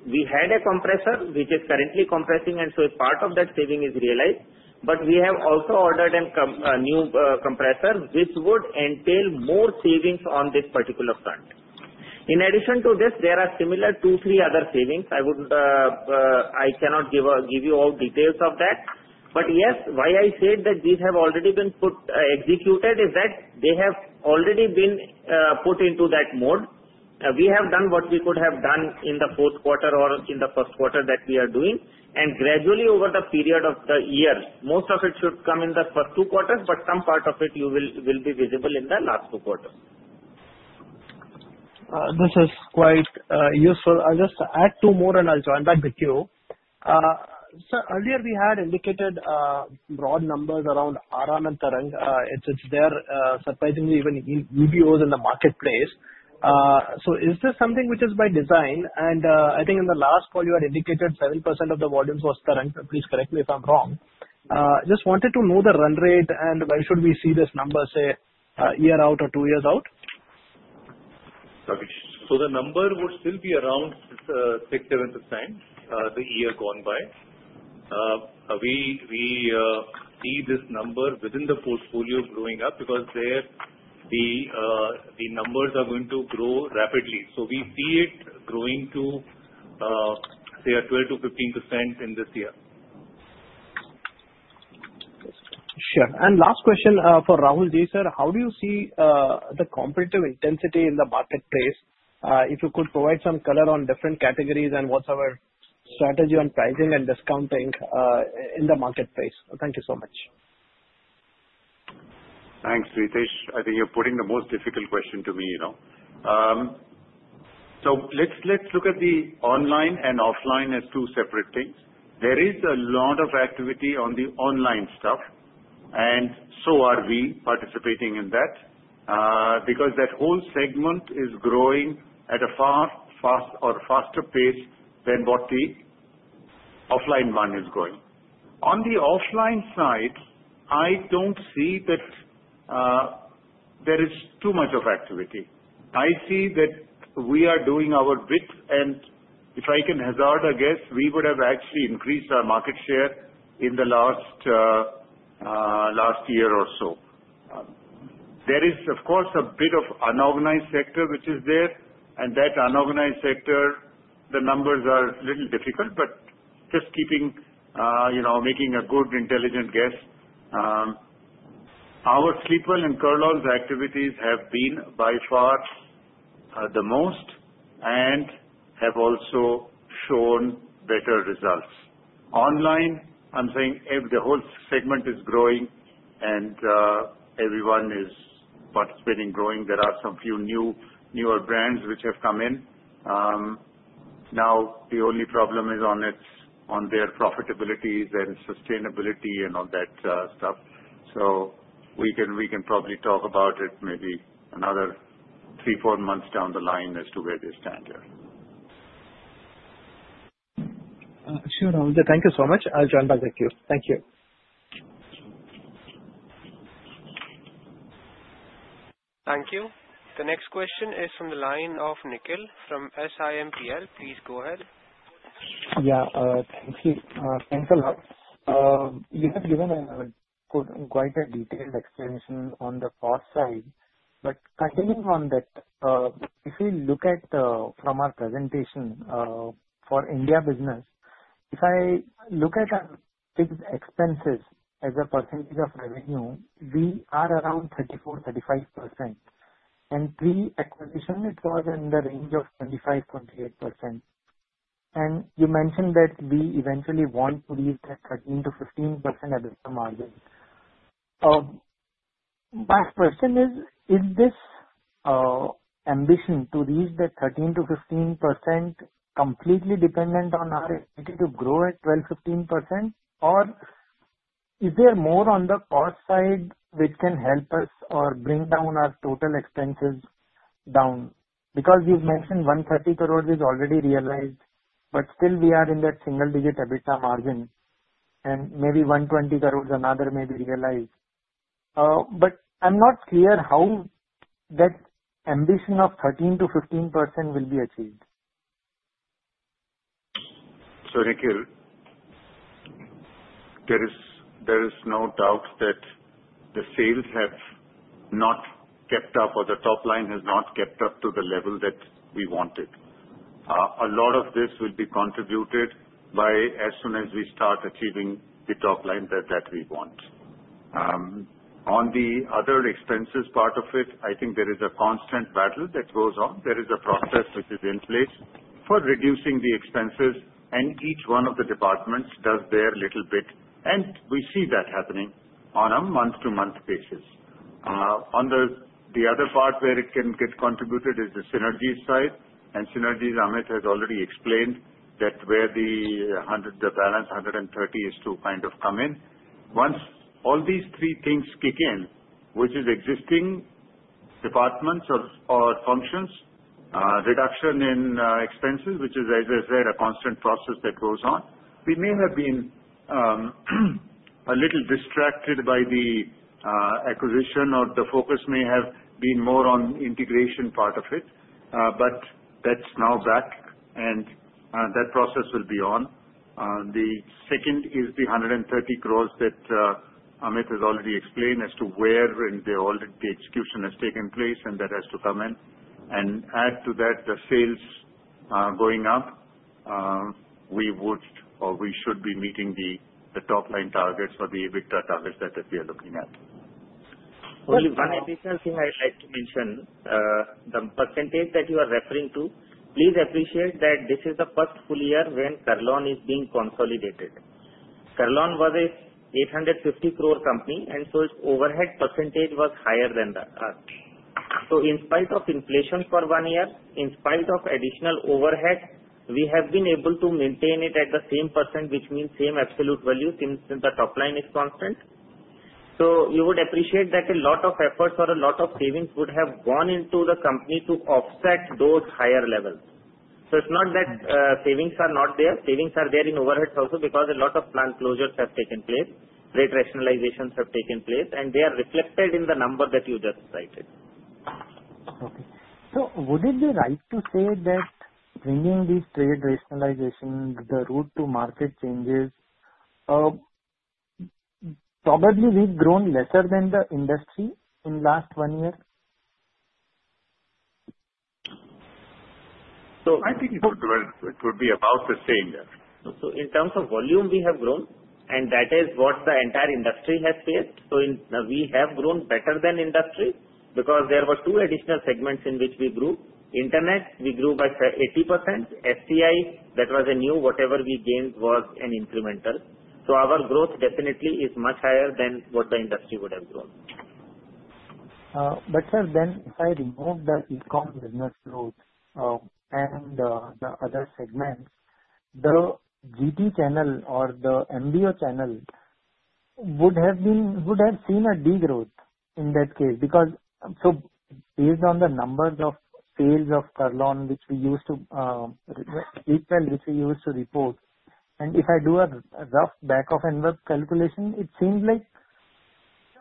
[SPEAKER 4] We had a compressor, which is currently compressing, and so a part of that saving is realized. But we have also ordered a new compressor, which would entail more savings on this particular front. In addition to this, there are similar two, three other savings. I cannot give you all details of that. But yes, why I said that these have already been executed is that they have already been put into that mode. We have done what we could have done in the fourth quarter or in the first quarter that we are doing. And gradually, over the period of the year, most of it should come in the first two quarters, but some part of it will be visible in the last two quarters.
[SPEAKER 2] This is quite useful. I'll just add two more, and I'll join back the queue. Sir, earlier we had indicated broad numbers around Aram and Tarang. It's there, surprisingly, even in EBOs in the marketplace. So is this something which is by design, and I think in the last call, you had indicated 7% of the volumes was Tarang. Please correct me if I'm wrong. Just wanted to know the run rate and where should we see this number, say, a year out or two years out?
[SPEAKER 3] Okay. So the number would still be around 6%-7% the year gone by. We see this number within the portfolio growing up because the numbers are going to grow rapidly. So we see it growing to, say, 12%-15% in this year. Sure. And last question for Rahul, sir. How do you see the competitive intensity in the marketplace? If you could provide some color on different categories and what's our strategy on pricing and discounting in the marketplace? Thank you so much. Thanks, Ritesh. I think you're putting the most difficult question to me. So let's look at the online and offline as two separate things. There is a lot of activity on the online stuff, and so are we participating in that because that whole segment is growing at a faster pace than what the offline one is going. On the offline side, I don't see that there is too much of activity. I see that we are doing our bit, and if I can hazard a guess, we would have actually increased our market share in the last year or so. There is, of course, a bit of an unorganized sector which is there, and that unorganized sector, the numbers are a little difficult, but just making a good intelligent guess, our Sleepwell and Kurlon activities have been by far the most and have also shown better results. Online, I'm saying the whole segment is growing, and everyone is participating, growing. There are some few newer brands which have come in. Now, the only problem is on their profitability and sustainability and all that stuff. So we can probably talk about it maybe another three, four months down the line as to where they stand here.
[SPEAKER 2] Sure. Rahulji, thank you so much. I'll join back the queue. Thank you.
[SPEAKER 1] Thank you. The next question is from the line of Nikhil from SIMPL. Please go ahead.
[SPEAKER 9] Yeah. Thank you. Thanks a lot. You have given a quite a detailed explanation on the cost side. But continuing on that, if we look at from our presentation for India business, if I look at expenses as a percentage of revenue, we are around 34%-35%. And pre-acquisition, it was in the range of 25%-28%. And you mentioned that we eventually want to reach that 13%-15% at the margin. My question is, is this ambition to reach that 13%-15% completely dependent on our expectation to grow at 12%-15%, or is there more on the cost side which can help us or bring down our total expenses down? Because you've mentioned 130 crores is already realized, but still we are in that single-digit EBITDA margin, and maybe 120 crores another may be realized. But I'm not clear how that ambition of 13%-15% will be achieved.
[SPEAKER 3] So Nikhil, there is no doubt that the sales have not kept up, or the top line has not kept up to the level that we wanted. A lot of this will be contributed by as soon as we start achieving the top line that we want. On the other expenses part of it, I think there is a constant battle that goes on. There is a process which is in place for reducing the expenses, and each one of the departments does their little bit, and we see that happening on a month-to-month basis. On the other part where it can get contributed is the synergy side, and synergies, Amit has already explained that where the balance 130 is to kind of come in. Once all these three things kick in, which is existing departments or functions, reduction in expenses, which is, as I said, a constant process that goes on, we may have been a little distracted by the acquisition, or the focus may have been more on the integration part of it, but that's now back, and that process will be on. The second is the 130 crores that Amit has already explained as to where the execution has taken place, and that has to come in, and add to that the sales going up, we would or we should be meeting the top-line targets or the EBITDA targets that we are looking at.
[SPEAKER 4] One additional thing I'd like to mention, the percentage that you are referring to. Please appreciate that this is the first full year when Kurlon is being consolidated. Kurlon was an 850 crore company, and so its overhead percentage was higher than us. So in spite of inflation for one year, in spite of additional overhead, we have been able to maintain it at the same percent, which means same absolute value since the top line is constant. So you would appreciate that a lot of efforts or a lot of savings would have gone into the company to offset those higher levels. So it's not that savings are not there. Savings are there in overhead also because a lot of plant closures have taken place, trade rationalizations have taken place, and they are reflected in the number that you just cited.
[SPEAKER 9] Okay, so would it be right to say that bringing these trade rationalizations, the route to market changes, probably we've grown lesser than the industry in the last one year?
[SPEAKER 3] So I think it would be about the same there.
[SPEAKER 4] So in terms of volume, we have grown, and that is what the entire industry has faced. So we have grown better than industry because there were two additional segments in which we grew. Internet, we grew by 80%. STI, that was a new whatever we gained was an incremental. So our growth definitely is much higher than what the industry would have grown.
[SPEAKER 9] But sir, then if I remove the e-com business growth and the other segments, the GT channel or the MBO channel would have seen a degrowth in that case because, so based on the numbers of sales of Kurlon, which we used to Sleepwell, which we used to report, and if I do a rough back-of-envelope calculation, it seems like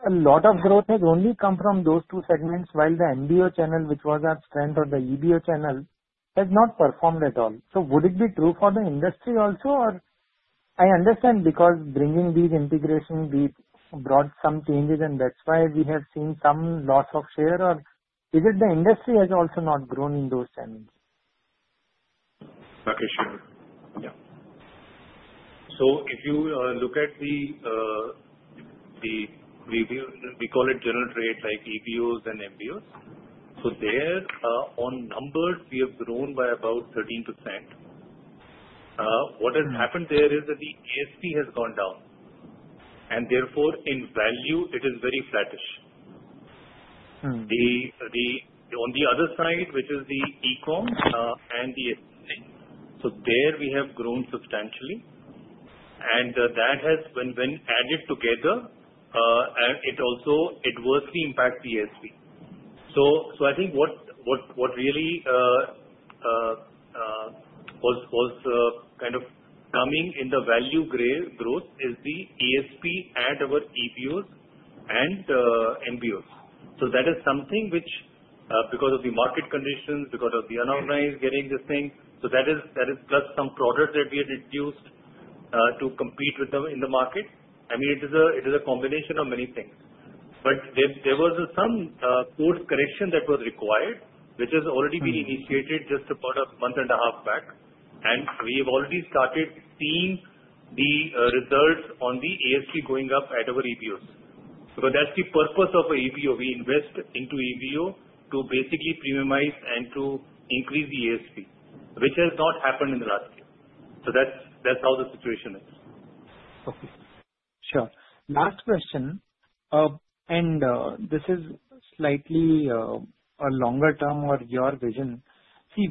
[SPEAKER 9] a lot of growth has only come from those two segments, while the MBO channel, which was our strength, or the EBO channel has not performed at all. So would it be true for the industry also, or I understand because bringing these integrations brought some changes, and that's why we have seen some loss of share, or is it the industry has also not grown in those segments?
[SPEAKER 3] Okay. Sure. Yeah. So if you look at what we call it general trade, like EBOs and MBOs. So there, on numbers, we have grown by about 13%. What has happened there is that the ASP has gone down, and therefore, in value, it is very flattish. On the other side, which is the e-com and the STI, so there we have grown substantially, and that has been added together, and it also adversely impacts the ASP. So I think what really was kind of coming in the value growth is the ASP drag over EBOs and MBOs. So that is something which, because of the market conditions, because of the unorganized getting this thing, so that is plus some products that we had introduced to compete with them in the market. I mean, it is a combination of many things. But there was some course correction that was required, which has already been initiated just about a month and a half back, and we have already started seeing the results on the ASP going up at our EBOs. So that's the purpose of EBO. We invest into EBO to basically premiumize and to increase the ASP, which has not happened in the last year. So that's how the situation is.
[SPEAKER 9] Okay. Sure. Last question, and this is slightly a longer term or your vision. See,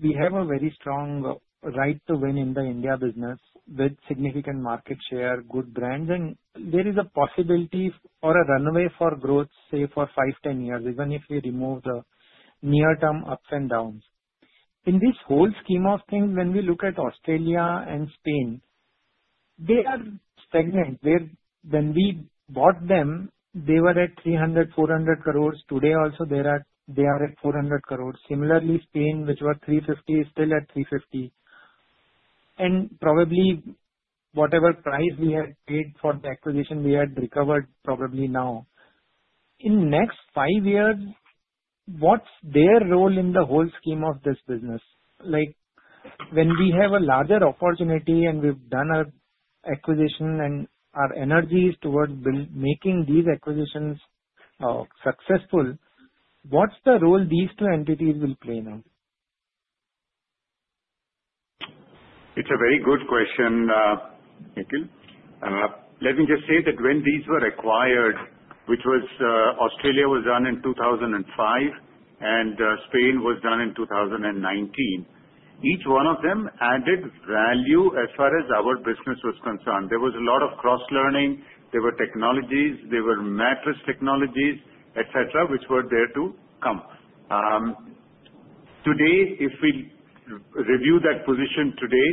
[SPEAKER 9] we have a very strong right to win in the India business with significant market share, good brands, and there is a possibility or a runway for growth, say, for five-10 years, even if we remove the near-term ups and downs. In this whole scheme of things, when we look at Australia and Spain, they are stagnant. When we bought them, they were at 300 crores-400 crores. Today, also, they are at 400 crores. Similarly, Spain, which was 350 crores, is still at 350 crores. And probably whatever price we had paid for the acquisition, we had recovered probably now. In the next five years, what's their role in the whole scheme of this business? When we have a larger opportunity and we've done an acquisition and our energy is towards making these acquisitions successful, what's the role these two entities will play now?
[SPEAKER 3] It's a very good question, Nikhil. Let me just say that when these were acquired, which was, Australia was done in 2005 and Spain was done in 2019, each one of them added value as far as our business was concerned. There was a lot of cross-learning. There were technologies. There were mattress technologies, etc., which were there to come. Today, if we review that position today,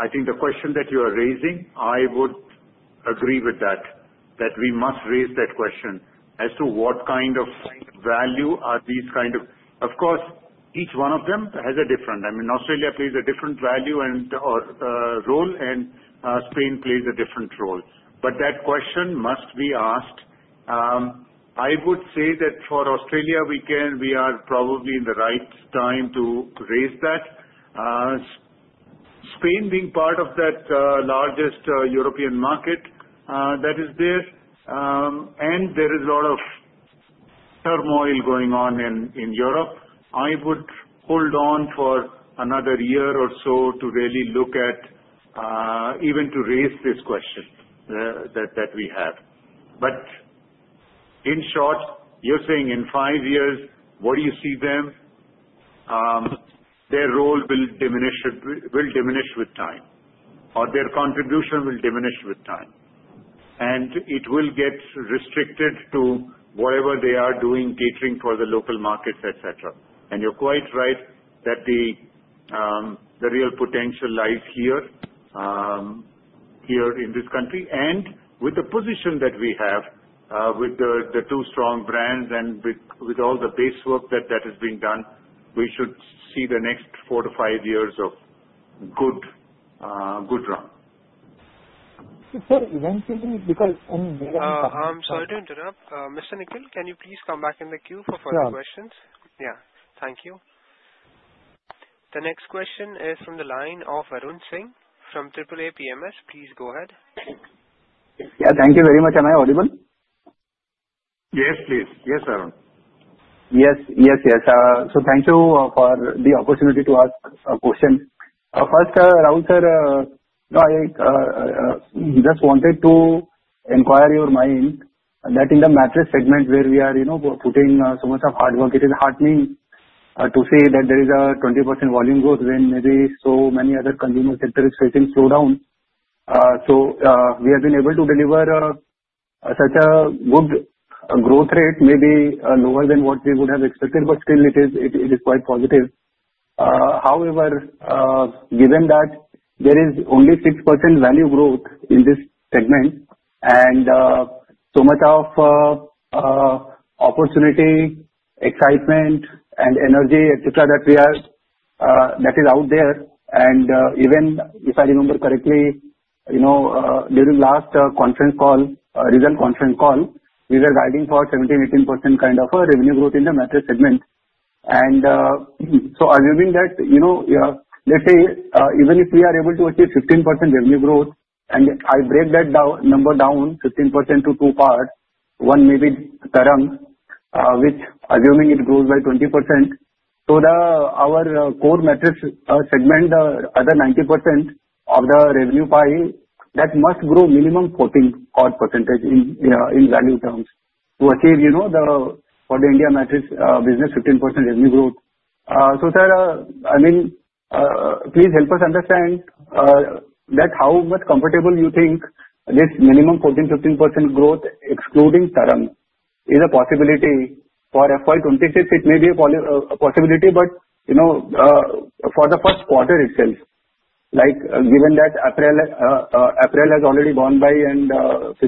[SPEAKER 3] I think the question that you are raising, I would agree with that, that we must raise that question as to what kind of value are these kind of, of course, each one of them has a different. I mean, Australia plays a different value and role, and Spain plays a different role. But that question must be asked. I would say that for Australia, we are probably in the right time to raise that. Spain being part of that largest European market that is there, and there is a lot of turmoil going on in Europe, I would hold on for another year or so to really look at even to raise this question that we have. But in short, you're saying in five years, what do you see them? Their role will diminish with time, or their contribution will diminish with time, and it will get restricted to whatever they are doing, catering for the local markets, etc. And you're quite right that the real potential lies here in this country. And with the position that we have, with the two strong brands and with all the base work that is being done, we should see the next four-five years of good run.
[SPEAKER 9] So eventually, because I mean.
[SPEAKER 1] Sorry to interrupt. Mr. Nikhil, can you please come back in the queue for further questions?
[SPEAKER 9] Sure.
[SPEAKER 1] Yeah. Thank you. The next question is from the line of Varun Singh from AAA PMS. Please go ahead.
[SPEAKER 10] Yeah. Thank you very much. Am I audible?
[SPEAKER 3] Yes, please. Yes, Varun.
[SPEAKER 10] Yes. Yes. Yes. So thank you for the opportunity to ask a question. First, Rahul sir, I just wanted to inquire your mind that in the mattress segment where we are putting so much of hard work, it is heartening to say that there is 20% volume growth when maybe so many other consumer sectors are facing slowdown. So we have been able to deliver such a good growth rate, maybe lower than what we would have expected, but still it is quite positive. However, given that there is only 6% value growth in this segment and so much of opportunity, excitement, and energy, etc., that is out there. And even if I remember correctly, during last conference call, regional conference call, we were guiding for 17%-18% kind of revenue growth in the mattress segment. Assuming that, let's say, even if we are able to achieve 15% revenue growth, and I break that number down 15% to two parts, one may be Tarang, which assuming it grows by 20%. Our core mattress segment, the other 90% of the revenue pie, that must grow minimum 14% in value terms to achieve the for the India mattress business 15% revenue growth. Sir, I mean, please help us understand that how much comfortable you think this minimum 14%-15% growth, excluding Tarang, is a possibility for FY 2026. It may be a possibility, but for the first quarter itself, given that April has already gone by and 50%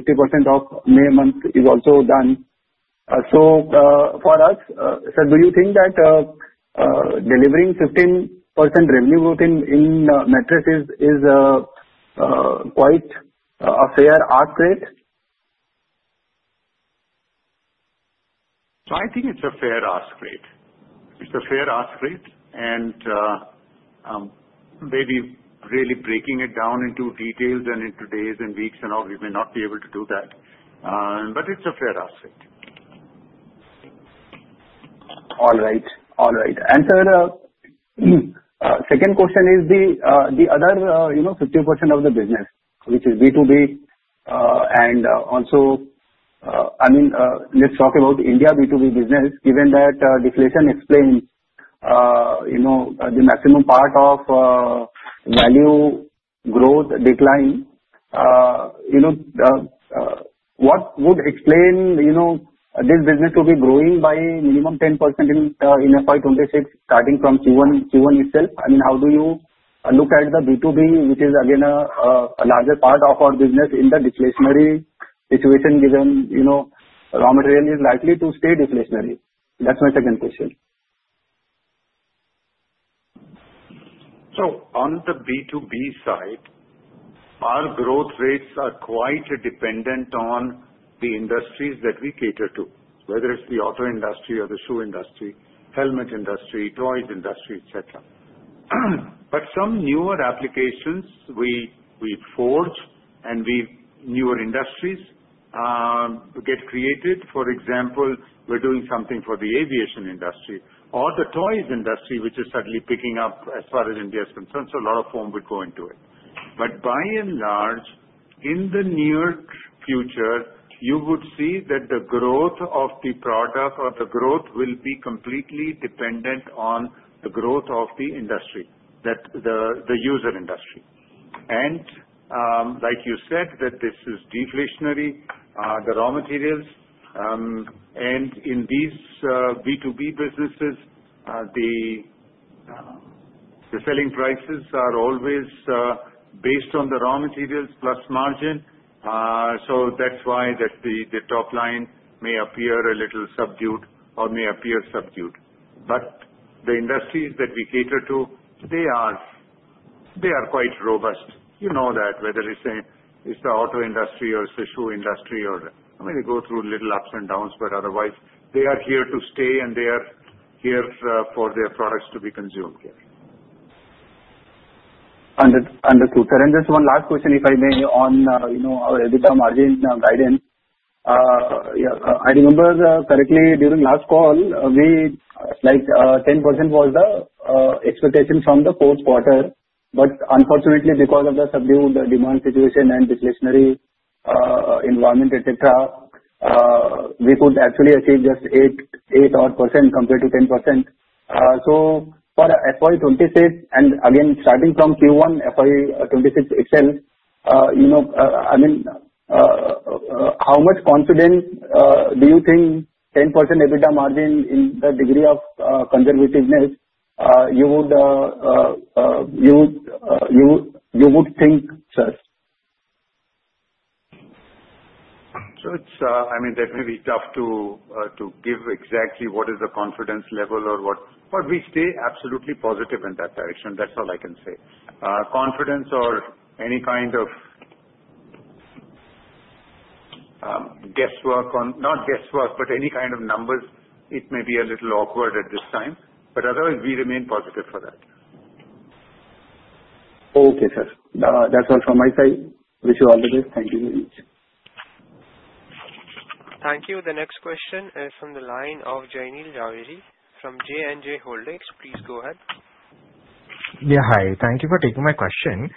[SPEAKER 10] of May month is also done. For us, sir, do you think that delivering 15% revenue growth in mattresses is quite a fair ask rate?
[SPEAKER 3] So I think it's a fair ask rate. It's a fair ask rate, and maybe really breaking it down into details and into days and weeks and all, we may not be able to do that. But it's a fair ask rate.
[SPEAKER 10] All right. All right. And sir, second question is the other 50% of the business, which is B2B. And also, I mean, let's talk about India B2B business. Given that deflation explains the maximum part of value growth decline, what would explain this business to be growing by minimum 10% in FY 2026 starting from Q1 itself? I mean, how do you look at the B2B, which is again a larger part of our business in the deflationary situation given raw material is likely to stay deflationary? That's my second question.
[SPEAKER 3] So on the B2B side, our growth rates are quite dependent on the industries that we cater to, whether it's the auto industry or the shoe industry, helmet industry, toys industry, etc. But some newer applications we forge, and newer industries get created. For example, we're doing something for the aviation industry or the toys industry, which is suddenly picking up as far as India is concerned. So a lot of foam would go into it. But by and large, in the near future, you would see that the growth of the product or the growth will be completely dependent on the growth of the industry, the user industry. And like you said, that this is deflationary, the raw materials. And in these B2B businesses, the selling prices are always based on the raw materials plus margin. That's why the top line may appear a little subdued or may appear subdued. But the industries that we cater to, they are quite robust. You know that whether it's the auto industry or it's the shoe industry or I mean, they go through little ups and downs, but otherwise, they are here to stay, and they are here for their products to be consumed here.
[SPEAKER 10] Understood. Sir, and just one last question, if I may, on our EBITDA margin guidance. If I remember correctly, during the last call, 10% was the expectation from the fourth quarter, but unfortunately, because of the subdued demand situation and deflationary environment, etc., we could actually achieve just 8 or 8% compared to 10%, so for FY 2026, and again, starting from Q1, FY 2026 itself, I mean, how much confidence do you think 10% EBITDA margin in the degree of conservativeness you would think, sir?
[SPEAKER 3] So I mean, that may be tough to give exactly what is the confidence level or what, but we stay absolutely positive in that direction. That's all I can say. Confidence or any kind of guesswork on not guesswork, but any kind of numbers, it may be a little awkward at this time. But otherwise, we remain positive for that.
[SPEAKER 10] Okay, sir. That's all from my side. Wish you all the best. Thank you very much.
[SPEAKER 1] Thank you. The next question is from the line of Jaineel Jhaveri from JNJ Holdings. Please go ahead.
[SPEAKER 11] Yeah. Hi. Thank you for taking my question.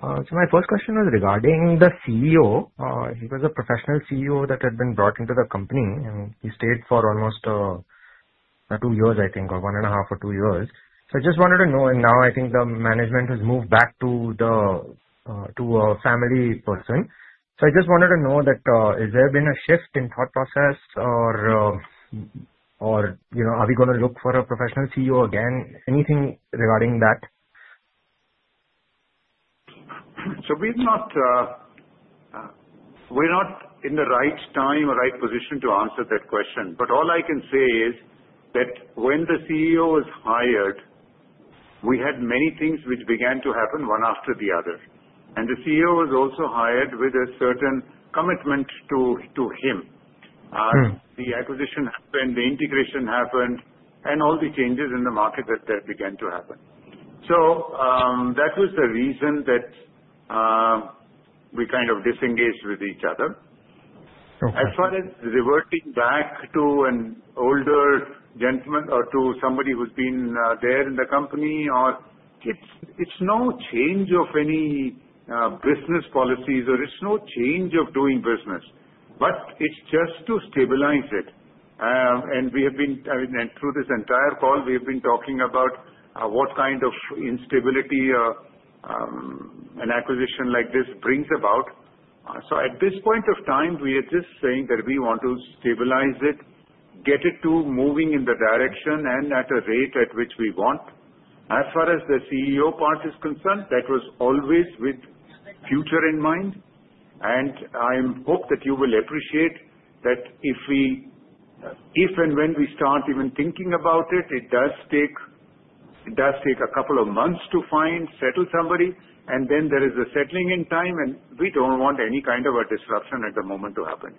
[SPEAKER 11] So my first question was regarding the CEO. He was a professional CEO that had been brought into the company. I mean, he stayed for almost two years, I think, or one and a half or two years. So I just wanted to know, and now I think the management has moved back to a family person. So I just wanted to know that has there been a shift in thought process, or are we going to look for a professional CEO again? Anything regarding that?
[SPEAKER 3] So we're not in the right time or right position to answer that question. But all I can say is that when the CEO was hired, we had many things which began to happen one after the other. And the CEO was also hired with a certain commitment to him. The acquisition happened, the integration happened, and all the changes in the market that began to happen. So that was the reason that we kind of disengaged with each other. As far as reverting back to an older gentleman or to somebody who's been there in the company, it's no change of any business policies, or it's no change of doing business. But it's just to stabilize it. And we have been, I mean, and through this entire call, we have been talking about what kind of instability an acquisition like this brings about. At this point of time, we are just saying that we want to stabilize it, get it to moving in the direction and at a rate at which we want. As far as the CEO part is concerned, that was always with future in mind. I hope that you will appreciate that if and when we start even thinking about it, it does take a couple of months to find, settle somebody, and then there is a settling in time, and we don't want any kind of a disruption at the moment to happen.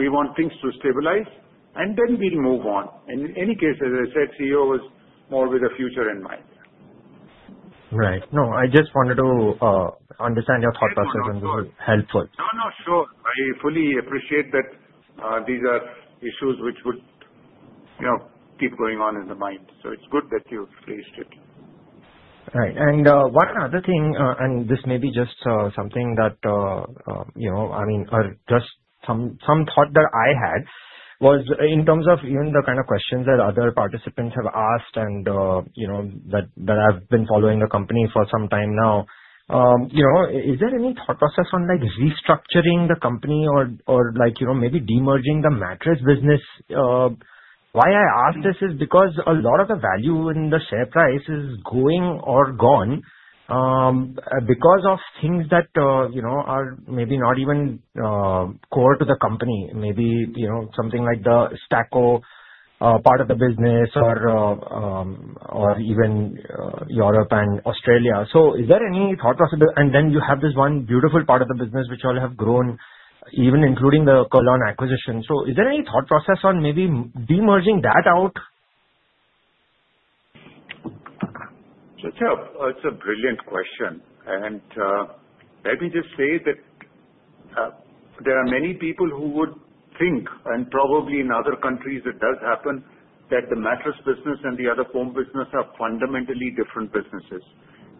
[SPEAKER 3] We want things to stabilize, and then we move on. In any case, as I said, CEO was more with a future in mind.
[SPEAKER 11] Right. No, I just wanted to understand your thought process, and this is helpful.
[SPEAKER 3] No, no, sure. I fully appreciate that these are issues which would keep going on in the mind. So it's good that you phrased it.
[SPEAKER 11] Right. And one other thing, and this may be just something that, I mean, or just some thought that I had was in terms of even the kind of questions that other participants have asked and that I've been following the company for some time now. Is there any thought process on restructuring the company or maybe de-merging the mattress business? Why I ask this is because a lot of the value in the share price is going or gone because of things that are maybe not even core to the company, maybe something like the Staqo part of the business or even Europe and Australia. So is there any thought process? And then you have this one beautiful part of the business which all have grown, even including the Kurlon acquisition. So is there any thought process on maybe de-merging that out?
[SPEAKER 3] So it's a brilliant question. And let me just say that there are many people who would think, and probably in other countries it does happen, that the mattress business and the other foam business are fundamentally different businesses.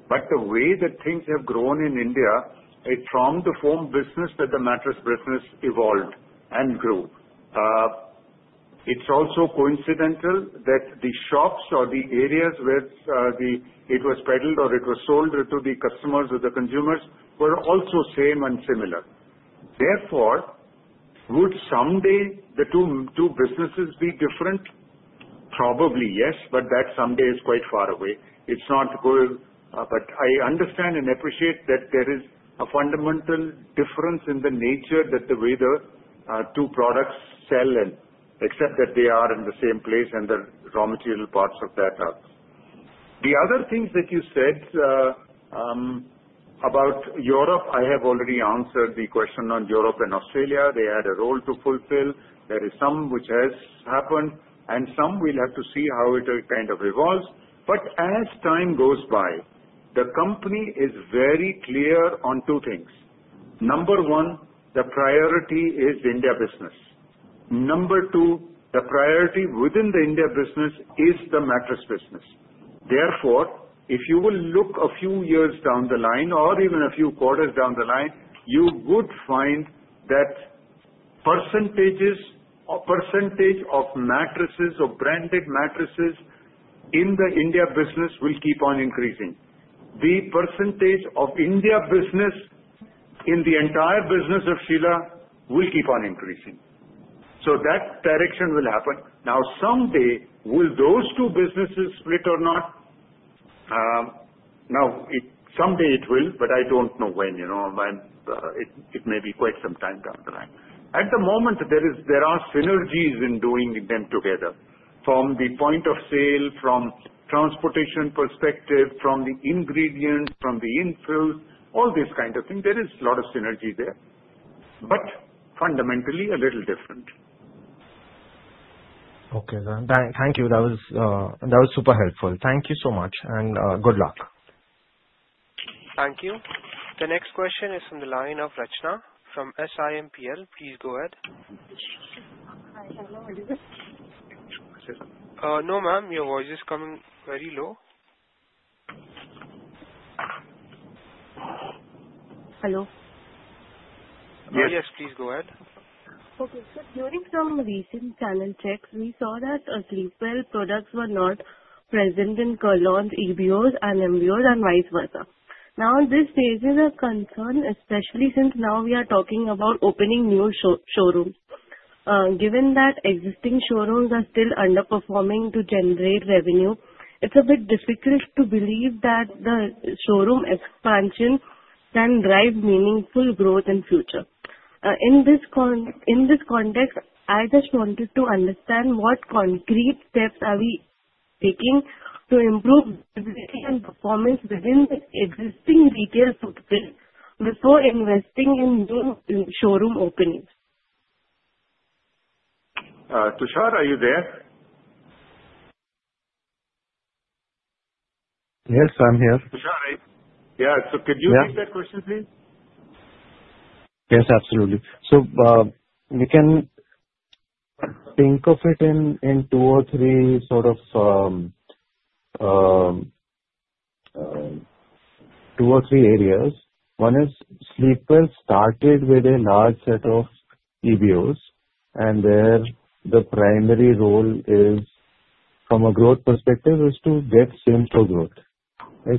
[SPEAKER 3] But the way that things have grown in India, it's from the foam business that the mattress business evolved and grew. It's also coincidental that the shops or the areas where it was peddled or it was sold to the customers or the consumers were also same and similar. Therefore, would someday the two businesses be different? Probably yes, but that someday is quite far away. It's not good, but I understand and appreciate that there is a fundamental difference in the nature that the way the two products sell and accept that they are in the same place and the raw material parts of that are. The other things that you said about Europe, I have already answered the question on Europe and Australia. They had a role to fulfill. There is some which has happened, and some we'll have to see how it kind of evolves, but as time goes by, the company is very clear on two things. Number one, the priority is India business. Number two, the priority within the India business is the mattress business. Therefore, if you will look a few years down the line or even a few quarters down the line, you would find that percentage of mattresses or branded mattresses in the India business will keep on increasing. The percentage of India business in the entire business of Sheela will keep on increasing, so that direction will happen. Now, someday, will those two businesses split or not? Now, someday it will, but I don't know when. It may be quite some time down the line. At the moment, there are synergies in doing them together from the point of sale, from transportation perspective, from the ingredients, from the infill, all these kind of things. There is a lot of synergy there, but fundamentally a little different.
[SPEAKER 11] Okay, sir. Thank you. That was super helpful. Thank you so much, and good luck.
[SPEAKER 1] Thank you. The next question is from the line of Rachna from SIMPL. Please go ahead.
[SPEAKER 12] Hi. Hello. Are you there?
[SPEAKER 3] No, ma'am. Your voice is coming very low.
[SPEAKER 12] Hello?
[SPEAKER 3] Yes, please go ahead.
[SPEAKER 12] Okay. So during some recent channel checks, we saw that Sleepwell products were not present in Kurlon EBOs and MBOs and vice versa. Now, this raises a concern, especially since now we are talking about opening new showrooms. Given that existing showrooms are still underperforming to generate revenue, it's a bit difficult to believe that the showroom expansion can drive meaningful growth in the future. In this context, I just wanted to understand what concrete steps are we taking to improve visibility and performance within the existing retail footprint before investing in new showroom openings?
[SPEAKER 3] Tushar, are you there?
[SPEAKER 13] Yes, I'm here.
[SPEAKER 3] Tushar, right? Yeah. So could you take that question, please?
[SPEAKER 13] Yes, absolutely. So we can think of it in two or three sort of areas. One is Sleepwell started with a large set of EBOs, and their primary role from a growth perspective is to get simple growth.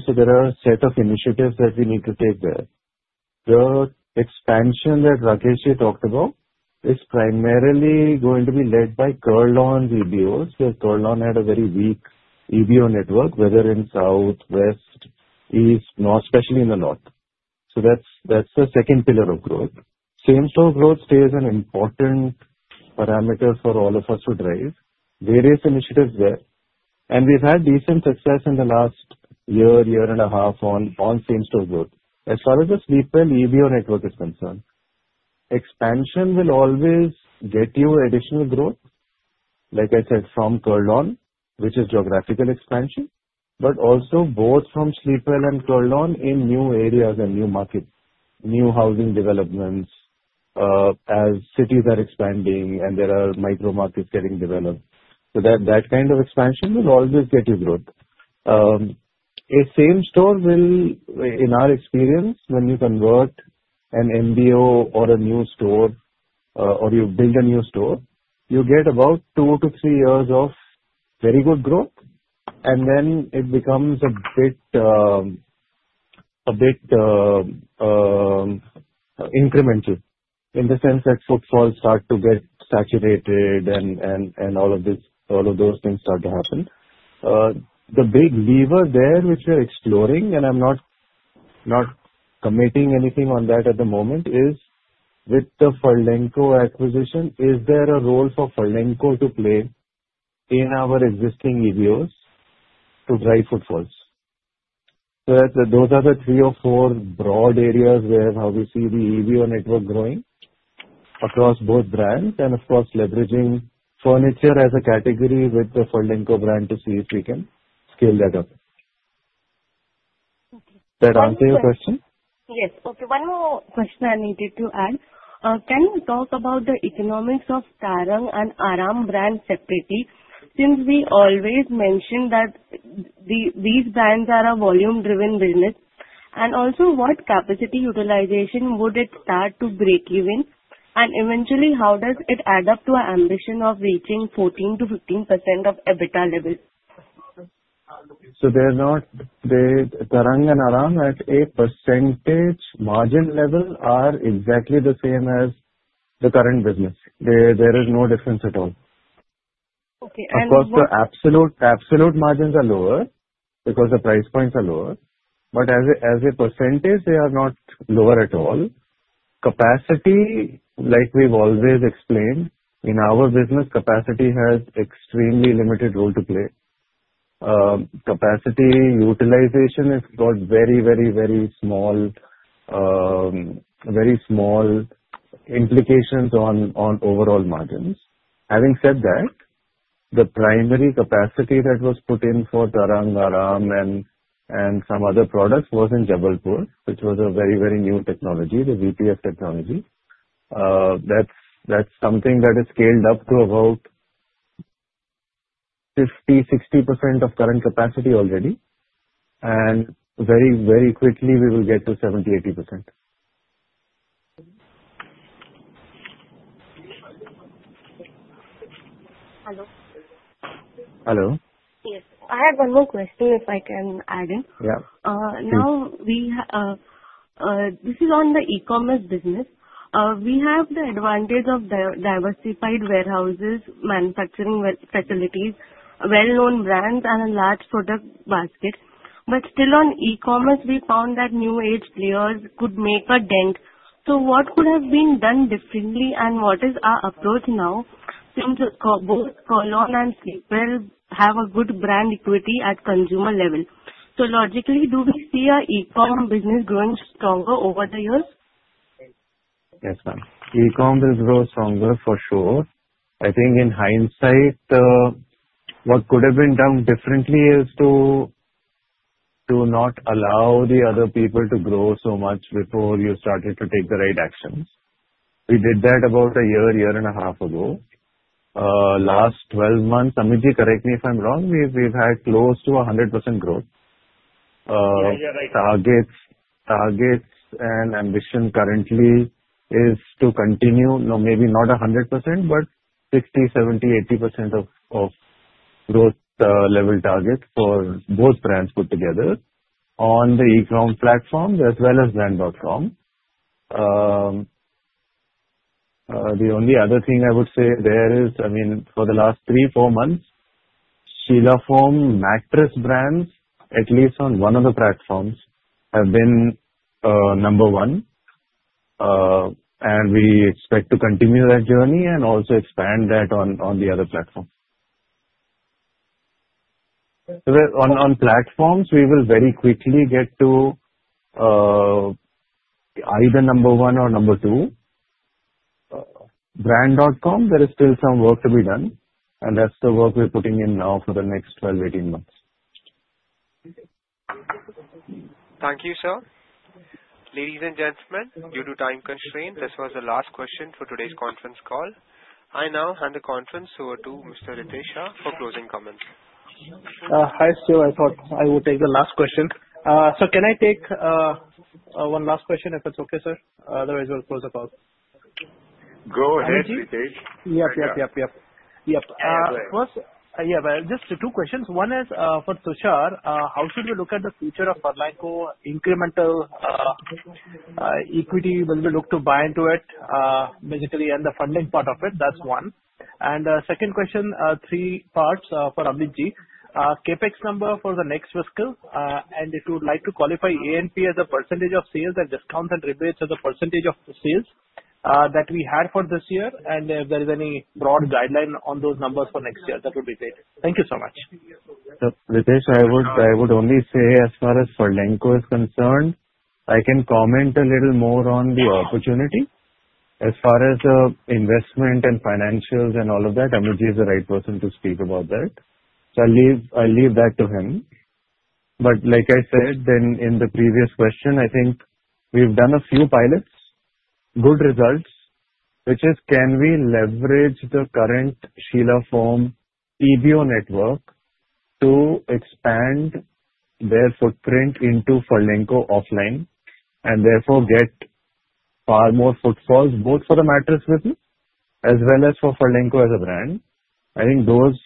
[SPEAKER 13] So there are a set of initiatives that we need to take there. The expansion that Rakesh talked about is primarily going to be led by Kurlon EBOs because Kurlon had a very weak EBO network, whether in south, west, east, north, especially in the north. So that's the second pillar of growth. Same store growth stays an important parameter for all of us to drive. Various initiatives there. And we've had decent success in the last year and a half on same store growth. As far as the Sleepwell EBO network is concerned, expansion will always get you additional growth, like I said, from Kurlon, which is geographical expansion, but also both from Sleepwell and Kurlon in new areas and new markets, new housing developments as cities are expanding and there are micro markets getting developed. So that kind of expansion will always get you growth. A same store will, in our experience, when you convert an MBO or a new store or you build a new store, you get about two to three years of very good growth, and then it becomes a bit incremental in the sense that footfalls start to get saturated and all of those things start to happen. The big lever there, which we're exploring, and I'm not committing anything on that at the moment, is with the Furlenco acquisition, is there a role for Furlenco to play in our existing EBOs to drive footfalls? So those are the three or four broad areas where we see the EBO network growing across both brands and, of course, leveraging furniture as a category with the Furlenco brand to see if we can scale that up. Did that answer your question?
[SPEAKER 12] Yes. Okay. One more question I needed to add. Can you talk about the economics of Tarang and Aram brands separately since we always mention that these brands are a volume-driven business? And also, what capacity utilization would it start to break even? And eventually, how does it add up to our ambition of reaching 14%-15% of EBITDA level?
[SPEAKER 13] Tarang and Aram at a percentage margin level are exactly the same as the current business. There is no difference at all.
[SPEAKER 12] Okay. And.
[SPEAKER 13] Of course, the absolute margins are lower because the price points are lower. But as a percentage, they are not lower at all. Capacity, like we've always explained, in our business, capacity has extremely limited role to play. Capacity utilization has got very, very, very small implications on overall margins. Having said that, the primary capacity that was put in for Aram, Tarang, and some other products was in Jabalpur, which was a very, very new technology, the VPF technology. That's something that has scaled up to about 50%-60% of current capacity already. And very, very quickly, we will get to 70%-80%.
[SPEAKER 12] Hello?
[SPEAKER 13] Hello?
[SPEAKER 12] Yes. I have one more question, if I can add. Now, this is on the e-commerce business. We have the advantage of diversified warehouses, manufacturing facilities, well-known brands, and a large product basket. But still, on e-commerce, we found that new-age players could make a dent. So what could have been done differently, and what is our approach now since both Kurlon and Sleepwell have a good brand equity at consumer level? So logically, do we see our e-com business growing stronger over the years?
[SPEAKER 13] Yes, ma'am. E-com will grow stronger, for sure. I think in hindsight, what could have been done differently is to not allow the other people to grow so much before you started to take the right actions. We did that about a year, year and a half ago. Last 12 months, Amitji, correct me if I'm wrong, we've had close to 100% growth.
[SPEAKER 3] Yeah, yeah, right.
[SPEAKER 13] Targets and ambition currently is to continue, no, maybe not 100%, but 60%, 70%, 80% of growth level target for both brands put together on the e-com platform as well as brand.com. The only other thing I would say there is, I mean, for the last three, four months, Sheela Foam mattress brands, at least on one of the platforms, have been number one. And we expect to continue that journey and also expand that on the other platform. On platforms, we will very quickly get to either number one or number two. Brand.com, there is still some work to be done. And that's the work we're putting in now for the next 12-18 months.
[SPEAKER 1] Thank you, sir. Ladies and gentlemen, due to time constraint, this was the last question for today's conference call. I now hand the conference over to Mr. Ritesh Shah for closing comments.
[SPEAKER 2] Hi, Steve. I thought I would take the last question. So can I take one last question if it's okay, sir? Otherwise, we'll close the call.
[SPEAKER 3] Go ahead, Ritesh.
[SPEAKER 2] Yep, yep, yep, yep.
[SPEAKER 3] Yeah, go ahead.
[SPEAKER 2] Yeah, just two questions. One is for Tushar, how should we look at the future of Furlenco incremental equity? Will we look to buy into it basically and the funding part of it? That's one. And second question, three parts for Amitji. CapEx number for the next fiscal, and if you would like to qualify A&P as a percentage of sales and discounts and rebates as a percentage of sales that we had for this year, and if there is any broad guideline on those numbers for next year, that would be great. Thank you so much.
[SPEAKER 13] Ritesh, I would only say as far as Furlenco is concerned, I can comment a little more on the opportunity. As far as investment and financials and all of that, Amitji is the right person to speak about that. So I'll leave that to him. But like I said then in the previous question, I think we've done a few pilots, good results, which is can we leverage the current Sheela Foam EBO network to expand their footprint into Furlenco offline and therefore get far more footfalls both for the mattress business as well as for Furlenco as a brand. I think those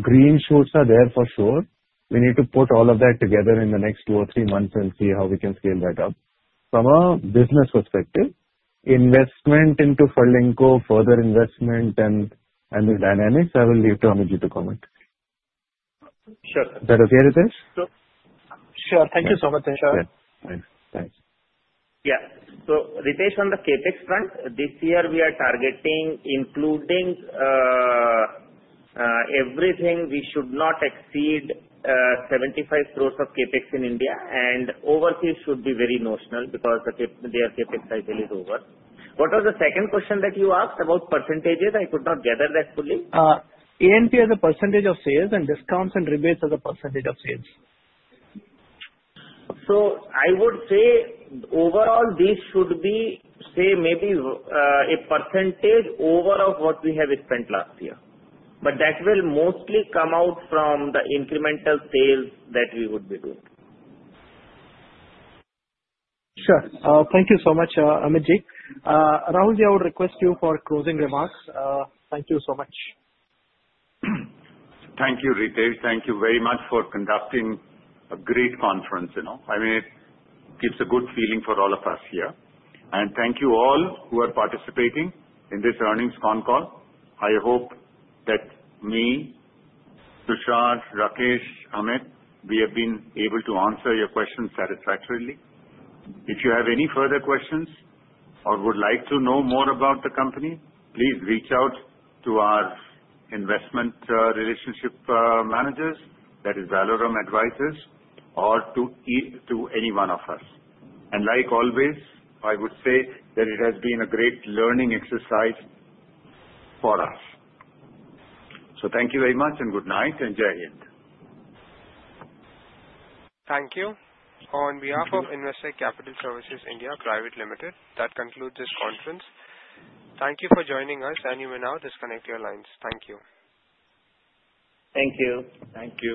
[SPEAKER 13] green shoots are there for sure. We need to put all of that together in the next two or three months and see how we can scale that up. From a business perspective, investment into Furlenco further investment and the dynamics, I will leave to Amitji to comment.
[SPEAKER 3] Sure.
[SPEAKER 13] Is that okay, Ritesh?
[SPEAKER 2] Sure. Thank you so much, sir.
[SPEAKER 13] Thanks. Thanks.
[SPEAKER 4] Yeah. So Ritesh, on the CapEx front, this year we are targeting including everything. We should not exceed 75 crores of CapEx in India, and overseas should be very notional because their CapEx cycle is over. What was the second question that you asked about percentages? I could not gather that fully. A&P as a percentage of sales and discounts and rebates as a percentage of sales. So, I would say overall, this should be, say, maybe a percentage over of what we have spent last year. But that will mostly come out from the incremental sales that we would be doing.
[SPEAKER 2] Sure. Thank you so much, Amitji. Rahul, I would request you for closing remarks. Thank you so much.
[SPEAKER 3] Thank you, Ritesh. Thank you very much for conducting a great conference. I mean, it gives a good feeling for all of us here, and thank you all who are participating in this earnings conference call. I hope that me, Tushar, Rakesh, Amit, we have been able to answer your questions satisfactorily. If you have any further questions or would like to know more about the company, please reach out to our investor relations managers, that is Valorem Advisors, or to any one of us. Like always, I would say that it has been a great learning exercise for us, so thank you very much and good night and Jai Hind.
[SPEAKER 1] Thank you. On behalf of Investec Capital Services India Private Limited, that concludes this conference. Thank you for joining us, and you may now disconnect your lines. Thank you.
[SPEAKER 2] Thank you.
[SPEAKER 3] Thank you.